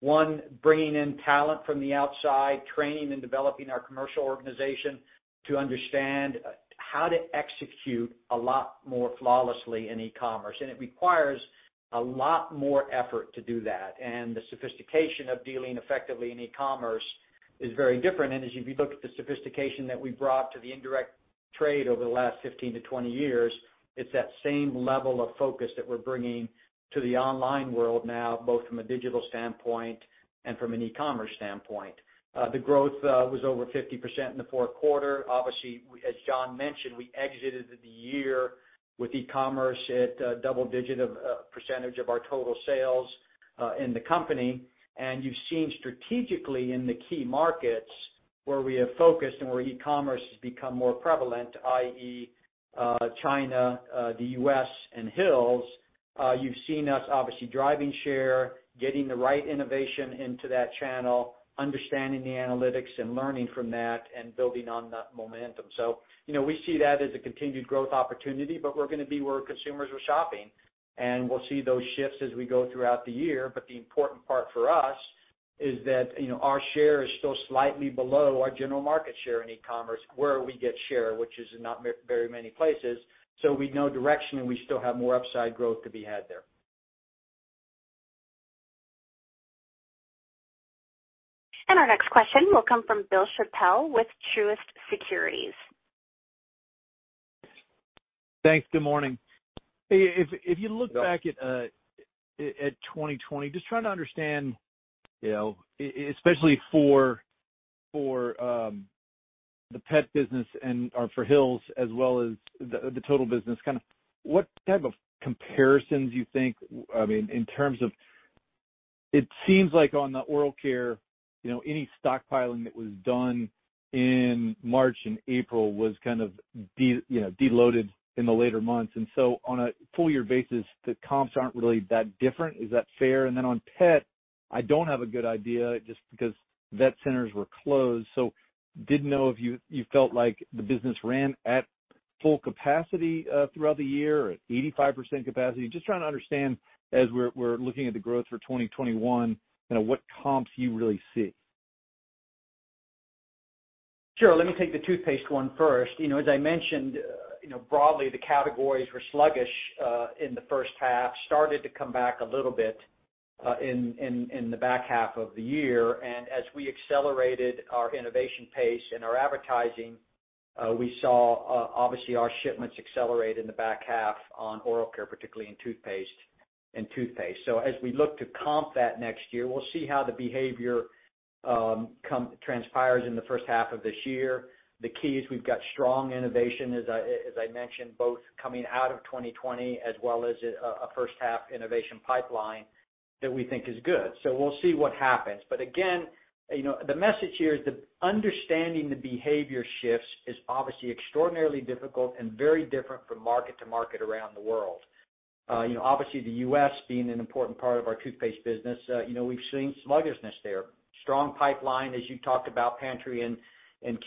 One, bringing in talent from the outside, training and developing our commercial organization to understand how to execute a lot more flawlessly in e-commerce. It requires a lot more effort to do that. The sophistication of dealing effectively in e-commerce is very different. As you look at the sophistication that we brought to the indirect trade over the last 15 to 20 years, it's that same level of focus that we're bringing to the online world now, both from a digital standpoint and from an e-commerce standpoint. The growth was over 50% in the fourth quarter. Obviously, as John mentioned, we exited the year with e-commerce at double digit of percentage of our total sales in the company. You've seen strategically in the key markets where we have focused and where e-commerce has become more prevalent, i.e., China, the U.S., and Hill's, you've seen us obviously driving share, getting the right innovation into that channel, understanding the analytics and learning from that, and building on that momentum. We see that as a continued growth opportunity, but we're going to be where consumers are shopping, and we'll see those shifts as we go throughout the year. The important part for us is that our share is still slightly below our general market share in e-commerce where we get share, which is not very many places. We know direction, and we still have more upside growth to be had there. Our next question will come from Bill Chappell with Truist Securities. Thanks. Good morning. If you look back at 2020, just trying to understand, especially for the pet business and for Hill's as well as the total business, what type of comparisons you think? It seems like on the oral care, any stockpiling that was done in March and April was kind of deloaded in the later months. On a full year basis, the comps aren't really that different. Is that fair? On pet, I don't have a good idea just because vet centers were closed. I didn't know if you felt like the business ran at full capacity throughout the year, at 85% capacity. Just trying to understand, as we're looking at the growth for 2021, what comps you really see. Sure. Let me take the toothpaste one first. As I mentioned, broadly, the categories were sluggish, in the first half, started to come back a little bit, in the back half of the year. As we accelerated our innovation pace and our advertising, we saw, obviously our shipments accelerate in the back half on oral care, particularly in toothpaste. As we look to comp that next year, we'll see how the behavior transpires in the first half of this year. The key is we've got strong innovation, as I mentioned, both coming out of 2020 as well as a first half innovation pipeline that we think is good. We'll see what happens. Again, the message here is the understanding the behavior shifts is obviously extraordinarily difficult and very different from market to market around the world. Obviously the U.S. being an important part of our toothpaste business, we've seen sluggishness there. Strong pipeline as you talked about pantry in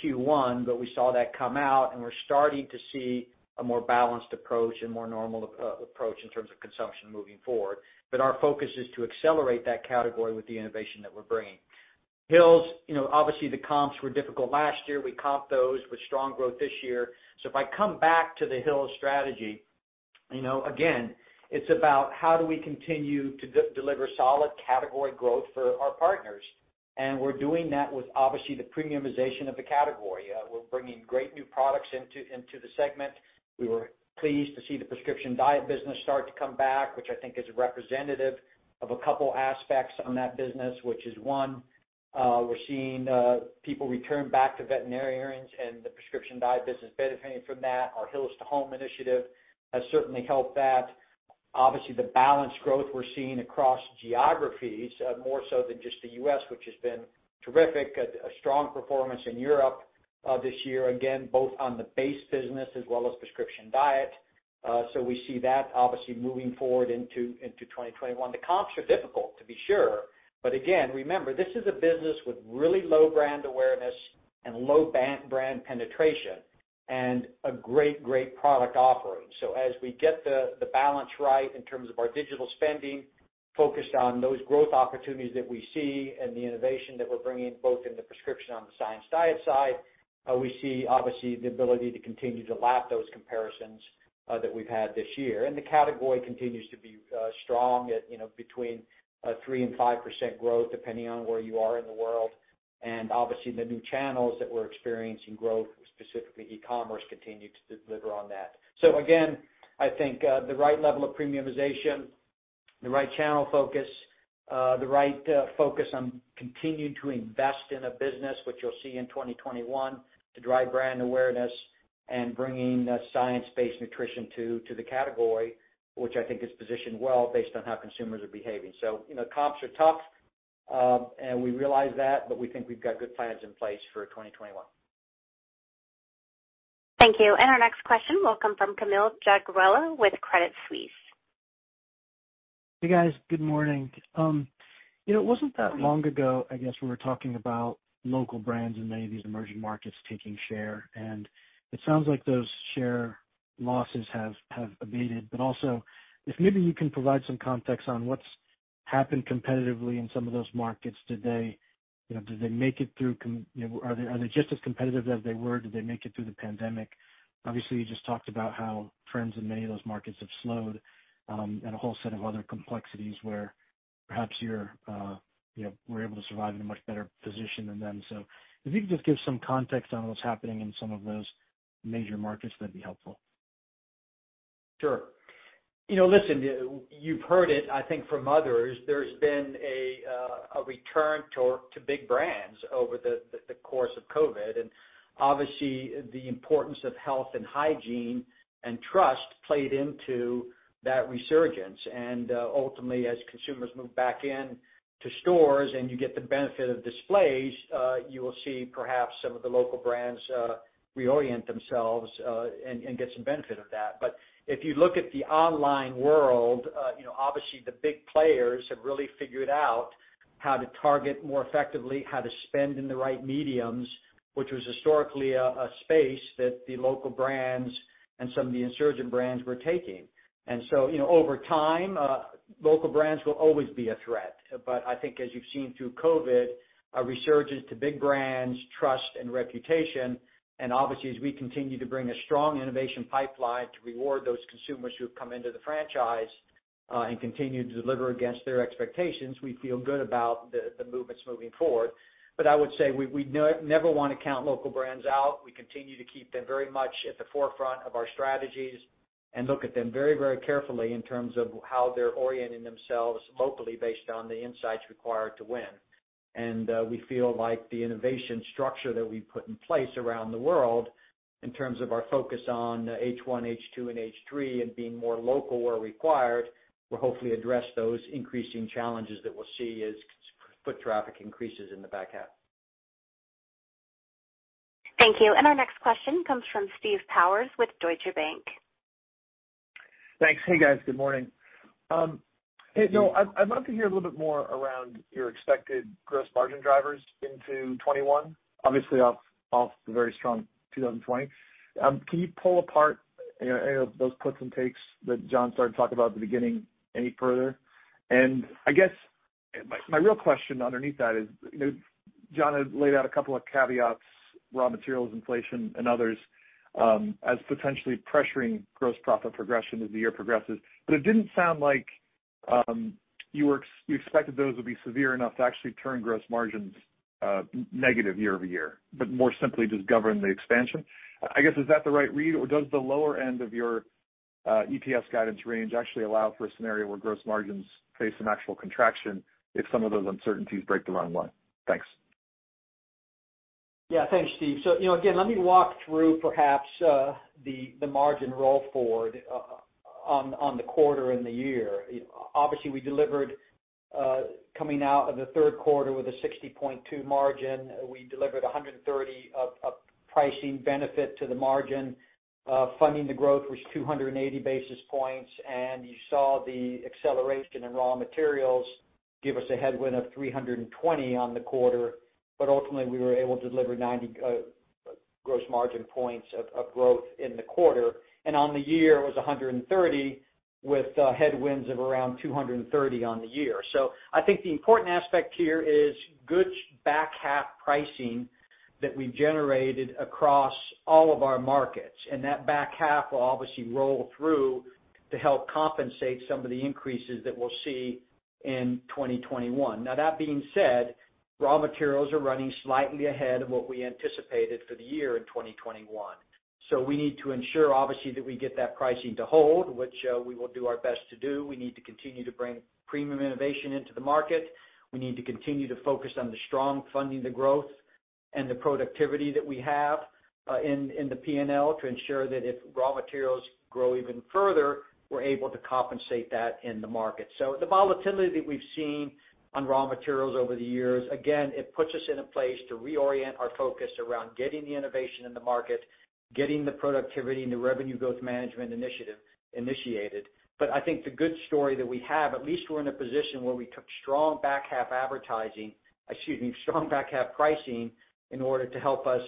Q1, but we saw that come out and we're starting to see a more balanced approach and more normal approach in terms of consumption moving forward. Our focus is to accelerate that category with the innovation that we're bringing. Hill's, obviously the comps were difficult last year. We comped those with strong growth this year. If I come back to the Hill's strategy, again, it's about how do we continue to deliver solid category growth for our partners. We're doing that with obviously the premiumization of the category. We're bringing great new products into the segment. We were pleased to see the Prescription Diet business start to come back, which I think is representative of a couple aspects on that business, which is one, we're seeing people return back to veterinarians and the Prescription Diet business benefiting from that. Our Hill's to Home initiative has certainly helped that. Obviously, the balanced growth we're seeing across geographies, more so than just the U.S. which has been terrific, a strong performance in Europe this year, again, both on the base business as well as Prescription Diet. We see that obviously moving forward into 2021. The comps are difficult to be sure, again, remember, this is a business with really low brand awareness and low brand penetration and a great product offering. As we get the balance right in terms of our digital spending, focused on those growth opportunities that we see and the innovation that we're bringing both in the Prescription Diet on the Science Diet side, we see obviously the ability to continue to lap those comparisons that we've had this year. The category continues to be strong at between 3% and 5% growth depending on where you are in the world. Obviously the new channels that we're experiencing growth, specifically e-commerce, continue to deliver on that. Again, I think, the right level of premiumization, the right channel focus, the right focus on continuing to invest in a business, which you'll see in 2021 to drive brand awareness and bringing science-based nutrition to the category, which I think is positioned well based on how consumers are behaving. Comps are tough, and we realize that, but we think we've got good plans in place for 2021. Thank you. Our next question will come from Kaumil Gajrawala with Credit Suisse. Hey, guys. Good morning. It wasn't that long ago, I guess, we were talking about local brands in many of these emerging markets taking share, and it sounds like those share losses have abated. Also if maybe you can provide some context on what's happened competitively in some of those markets today. Are they just as competitive as they were? Did they make it through the pandemic? Obviously, you just talked about how trends in many of those markets have slowed, and a whole set of other complexities where perhaps you were able to survive in a much better position than them. If you could just give some context on what's happening in some of those major markets, that'd be helpful. Sure. Listen, you've heard it, I think from others. There's been a return to big brands over the course of COVID, and obviously the importance of health and hygiene and trust played into that resurgence. Ultimately, as consumers move back in to stores and you get the benefit of displays, you will see perhaps some of the local brands reorient themselves, and get some benefit of that. If you look at the online world, obviously the big players have really figured out how to target more effectively, how to spend in the right mediums, which was historically a space that the local brands and some of the insurgent brands were taking. Over time, local brands will always be a threat. I think as you've seen through COVID, a resurgence to big brands, trust and reputation, and obviously as we continue to bring a strong innovation pipeline to reward those consumers who have come into the franchise, and continue to deliver against their expectations, we feel good about the movements moving forward. I would say we never want to count local brands out. We continue to keep them very much at the forefront of our strategies and look at them very carefully in terms of how they're orienting themselves locally based on the insights required to win. We feel like the innovation structure that we've put in place around the world in terms of our focus on H1, H2, and H3 and being more local where required, will hopefully address those increasing challenges that we'll see as foot traffic increases in the back half. Thank you. Our next question comes from Steve Powers with Deutsche Bank. Thanks. Hey, guys. Good morning. Hey, Noel, I'd love to hear a little bit more around your expected gross margin drivers into 2021, obviously off the very strong 2020. Can you pull apart any of those puts and takes that John started talking about at the beginning any further? I guess my real question underneath that is, John had laid out a couple of caveats, raw materials inflation and others, as potentially pressuring gross profit progression as the year progresses. It didn't sound like you expected those would be severe enough to actually turn gross margins negative year-over-year, but more simply just govern the expansion. I guess, is that the right read, or does the lower end of your EPS guidance range actually allow for a scenario where gross margins face some actual contraction if some of those uncertainties break the wrong way? Thanks. Yeah, thanks, Steve. Again, let me walk through perhaps the margin roll forward on the quarter and the year. Obviously, we delivered coming out of the third quarter with a 60.2% margin. We delivered 130 basis points of pricing benefit to the margin. Funding the growth was 280 basis points, and you saw the acceleration in raw materials give us a headwind of 320 basis points on the quarter. Ultimately, we were able to deliver 90 gross margin points of growth in the quarter. On the year, it was 130 basis points with headwinds of around 230 basis points on the year. I think the important aspect here is good back half pricing that we generated across all of our markets, and that back half will obviously roll through to help compensate some of the increases that we'll see in 2021. That being said, raw materials are running slightly ahead of what we anticipated for the year in 2021. We need to ensure, obviously, that we get that pricing to hold, which we will do our best to do. We need to continue to bring premium innovation into the market. We need to continue to focus on the strong funding the growth and the productivity that we have in the P&L to ensure that if raw materials grow even further, we're able to compensate that in the market. The volatility that we've seen on raw materials over the years, again, it puts us in a place to reorient our focus around getting the innovation in the market, getting the productivity and the revenue growth management initiative initiated. I think the good story that we have, at least we're in a position where we took strong back half pricing in order to help us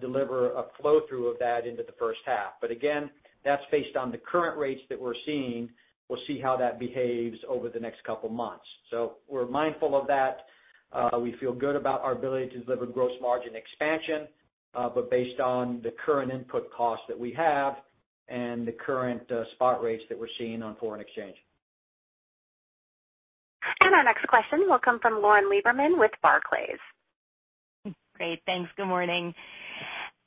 deliver a flow-through of that into the first half. Again, that's based on the current rates that we're seeing. We'll see how that behaves over the next couple of months. We're mindful of that. We feel good about our ability to deliver gross margin expansion, but based on the current input costs that we have and the current spot rates that we're seeing on foreign exchange. Our next question will come from Lauren Lieberman with Barclays. Great. Thanks. Good morning.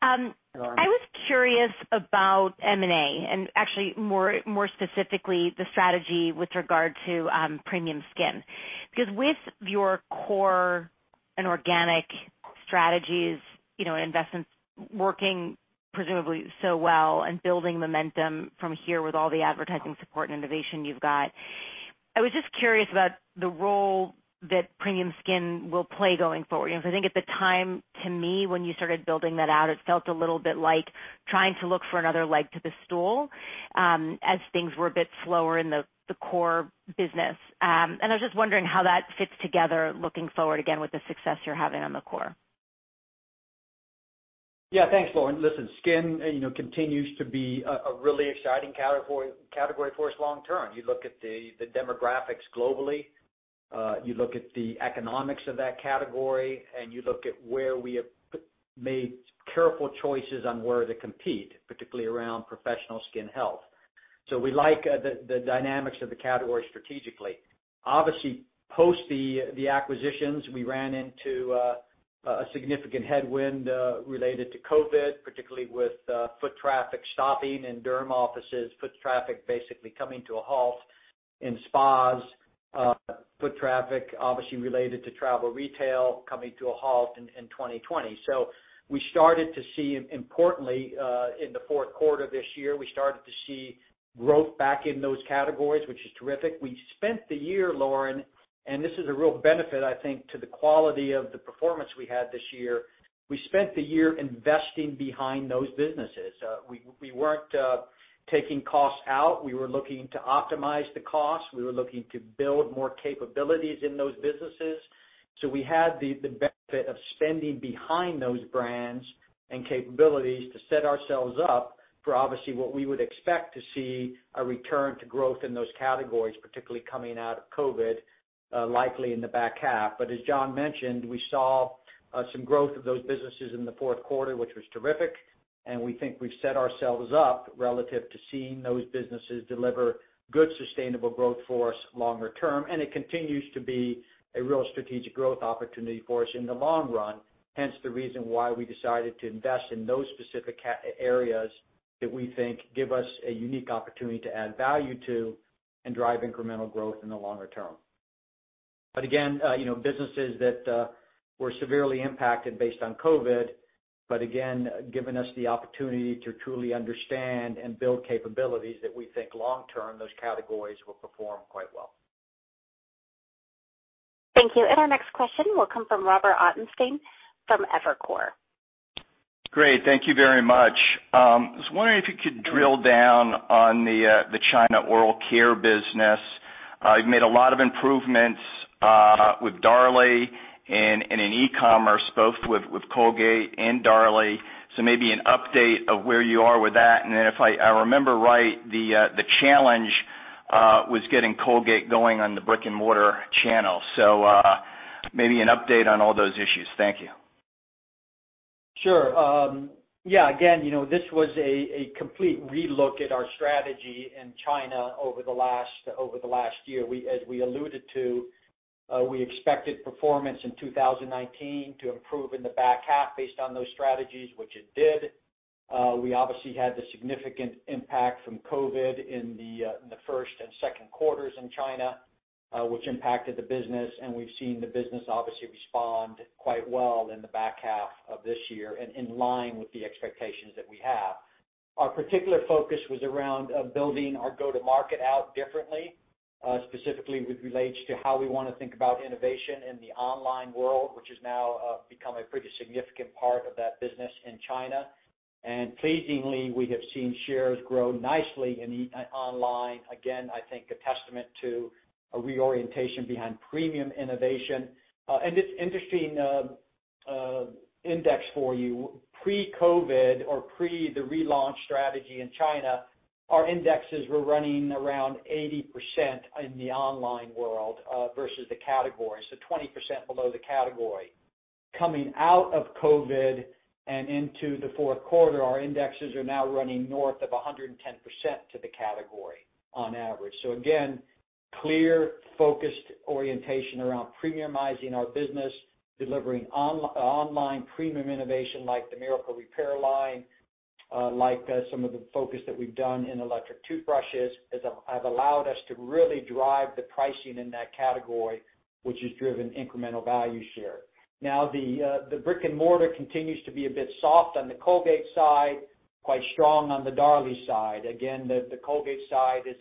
Lauren. I was curious about M&A and actually more specifically, the strategy with regard to premium skin. Because with your core and organic strategies, investments working presumably so well and building momentum from here with all the advertising support and innovation you've got, I was just curious about the role that premium skin will play going forward. Because I think at the time, to me, when you started building that out, it felt a little bit like trying to look for another leg to the stool as things were a bit slower in the core business. I was just wondering how that fits together looking forward, again, with the success you're having on the core. Thanks, Lauren. Listen, skin continues to be a really exciting category for us long term. You look at the demographics globally, you look at the economics of that category, and you look at where we have made careful choices on where to compete, particularly around professional skin health. We like the dynamics of the category strategically. Obviously, post the acquisitions, we ran into a significant headwind related to COVID, particularly with foot traffic stopping in derm offices, foot traffic basically coming to a halt in spas, foot traffic obviously related to travel retail coming to a halt in 2020. We started to see, importantly, in the fourth quarter this year, we started to see growth back in those categories, which is terrific. We spent the year, Lauren, and this is a real benefit, I think, to the quality of the performance we had this year. We spent the year investing behind those businesses. We weren't taking costs out. We were looking to optimize the costs. We were looking to build more capabilities in those businesses. We had the benefit of spending behind those brands and capabilities to set ourselves up for, obviously, what we would expect to see a return to growth in those categories, particularly coming out of COVID, likely in the back half. As John mentioned, we saw some growth of those businesses in the fourth quarter, which was terrific, and we think we've set ourselves up relative to seeing those businesses deliver good sustainable growth for us longer term. It continues to be a real strategic growth opportunity for us in the long run, hence the reason why we decided to invest in those specific areas that we think give us a unique opportunity to add value to and drive incremental growth in the longer term. Again, businesses that were severely impacted based on COVID, but again, giving us the opportunity to truly understand and build capabilities that we think long term, those categories will perform quite well. Thank you. Our next question will come from Robert Ottenstein from Evercore. Great. Thank you very much. I was wondering if you could drill down on the China Oral Care business. You've made a lot of improvements with Darlie and in e-commerce, both with Colgate and Darlie. Maybe an update of where you are with that. If I remember right, the challenge was getting Colgate going on the brick-and-mortar channel. Maybe an update on all those issues. Thank you. Sure. Yeah, again, this was a complete relook at our strategy in China over the last year. As we alluded to, we expected performance in 2019 to improve in the back half based on those strategies, which it did. We obviously had the significant impact from COVID in the first and second quarters in China, which impacted the business, and we've seen the business obviously respond quite well in the back half of this year and in line with the expectations that we have. Our particular focus was around building our go-to-market out differently, specifically with relates to how we want to think about innovation in the online world, which has now become a pretty significant part of that business in China. Pleasingly, we have seen shares grow nicely in online. Again, I think a testament to a reorientation behind premium innovation. It's interesting index for you. Pre-COVID or pre the relaunch strategy in China, our indexes were running around 80% in the online world versus the category, so 20% below the category. Coming out of COVID and into the fourth quarter, our indexes are now running north of 110% to the category on average. Again, clear focused orientation around premiumizing our business, delivering online premium innovation like the Miracle Repair line, like some of the focus that we've done in electric toothbrushes, have allowed us to really drive the pricing in that category, which has driven incremental value share. The brick-and-mortar continues to be a bit soft on the Colgate side, quite strong on the Darlie side. The Colgate side is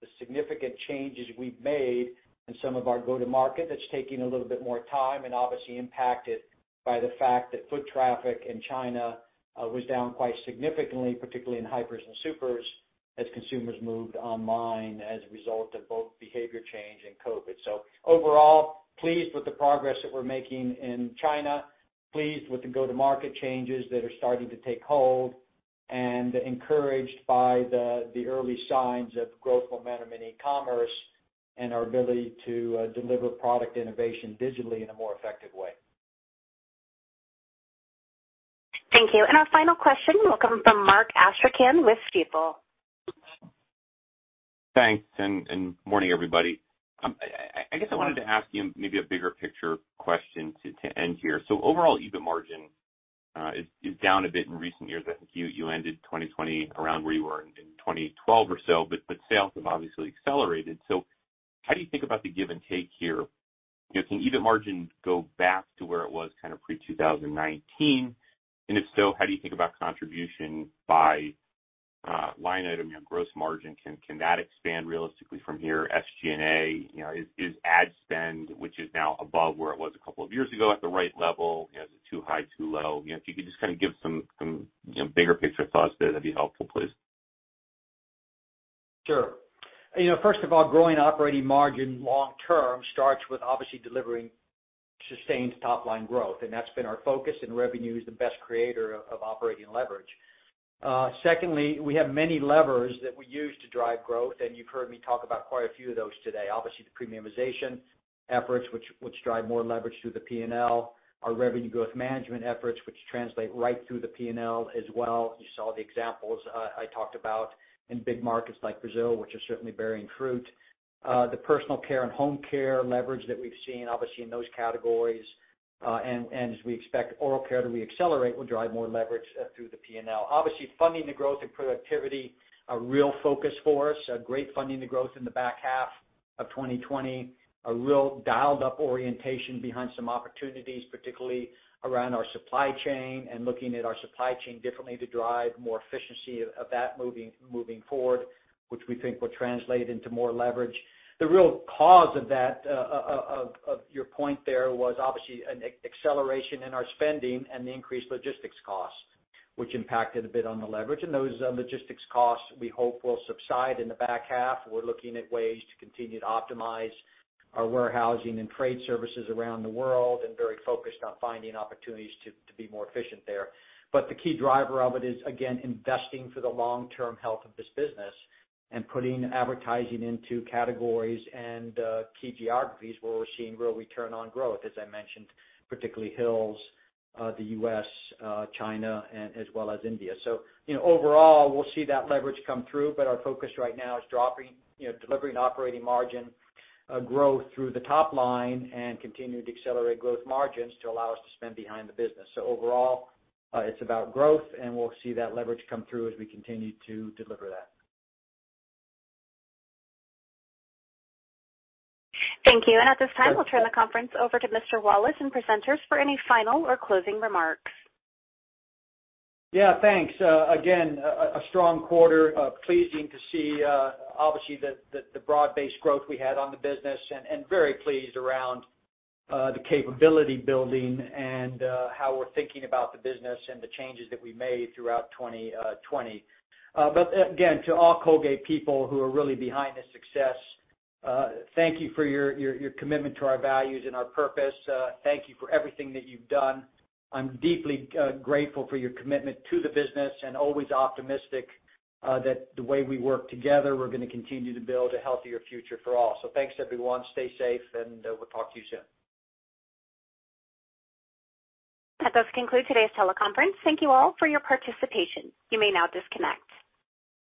the significant changes we've made in some of our go-to-market that's taking a little bit more time and obviously impacted by the fact that foot traffic in China was down quite significantly, particularly in hypers and supers, as consumers moved online as a result of both behavior change and COVID. Overall, pleased with the progress that we're making in China, pleased with the go-to-market changes that are starting to take hold, and encouraged by the early signs of growth momentum in e-commerce and our ability to deliver product innovation digitally in a more effective way. Thank you. Our final question will come from Mark Astrachan with Stifel. Thanks, morning, everybody. I guess I wanted to ask you maybe a bigger picture question to end here. Overall EBIT margin is down a bit in recent years. I think you ended 2020 around where you were in 2012 or so, sales have obviously accelerated. How do you think about the give and take here? Can EBIT margin go back to where it was kind of pre-2019? If so, how do you think about contribution by line item? Your gross margin, can that expand realistically from here? SG&A, is ad spend, which is now above where it was a couple of years ago, at the right level? Is it too high, too low? If you could just kind of give some bigger picture thoughts there, that'd be helpful, please. First of all, growing operating margin long term starts with obviously delivering sustained top-line growth, and that's been our focus, and revenue is the best creator of operating leverage. Secondly, we have many levers that we use to drive growth, and you've heard me talk about quite a few of those today. Obviously, the premiumization efforts, which drive more leverage through the P&L. Our revenue growth management efforts, which translate right through the P&L as well. You saw the examples I talked about in big markets like Brazil, which are certainly bearing fruit. The personal care and home care leverage that we've seen, obviously in those categories, and as we expect oral care to reaccelerate, will drive more leverage through the P&L. Obviously, funding the growth and productivity, a real focus for us, a great funding the growth in the back half of 2020, a real dialed-up orientation behind some opportunities, particularly around our supply chain and looking at our supply chain differently to drive more efficiency of that moving forward, which we think will translate into more leverage. The real cause of your point there was obviously an acceleration in our spending and the increased logistics costs, which impacted a bit on the leverage. Those logistics costs we hope will subside in the back half. We're looking at ways to continue to optimize our warehousing and trade services around the world and very focused on finding opportunities to be more efficient there. The key driver of it is, again, investing for the long-term health of this business and putting advertising into categories and geographies where we're seeing real return on growth, as I mentioned, particularly Hill's, the U.S., China, and as well as India. Overall, we'll see that leverage come through, but our focus right now is delivering operating margin growth through the top line and continuing to accelerate growth margins to allow us to spend behind the business. Overall, it's about growth, and we'll see that leverage come through as we continue to deliver that. Thank you. At this time, we'll turn the conference over to Mr. Wallace and presenters for any final or closing remarks. Yeah, thanks. Again, a strong quarter. Pleasing to see, obviously, the broad-based growth we had on the business, and very pleased around the capability building and how we're thinking about the business and the changes that we made throughout 2020. Again, to all Colgate people who are really behind this success, thank you for your commitment to our values and our purpose. Thank you for everything that you've done. I'm deeply grateful for your commitment to the business and always optimistic that the way we work together, we're going to continue to build a healthier future for all. Thanks, everyone. Stay safe, and we'll talk to you soon. That does conclude today's teleconference. Thank you all for your participation. You may now disconnect.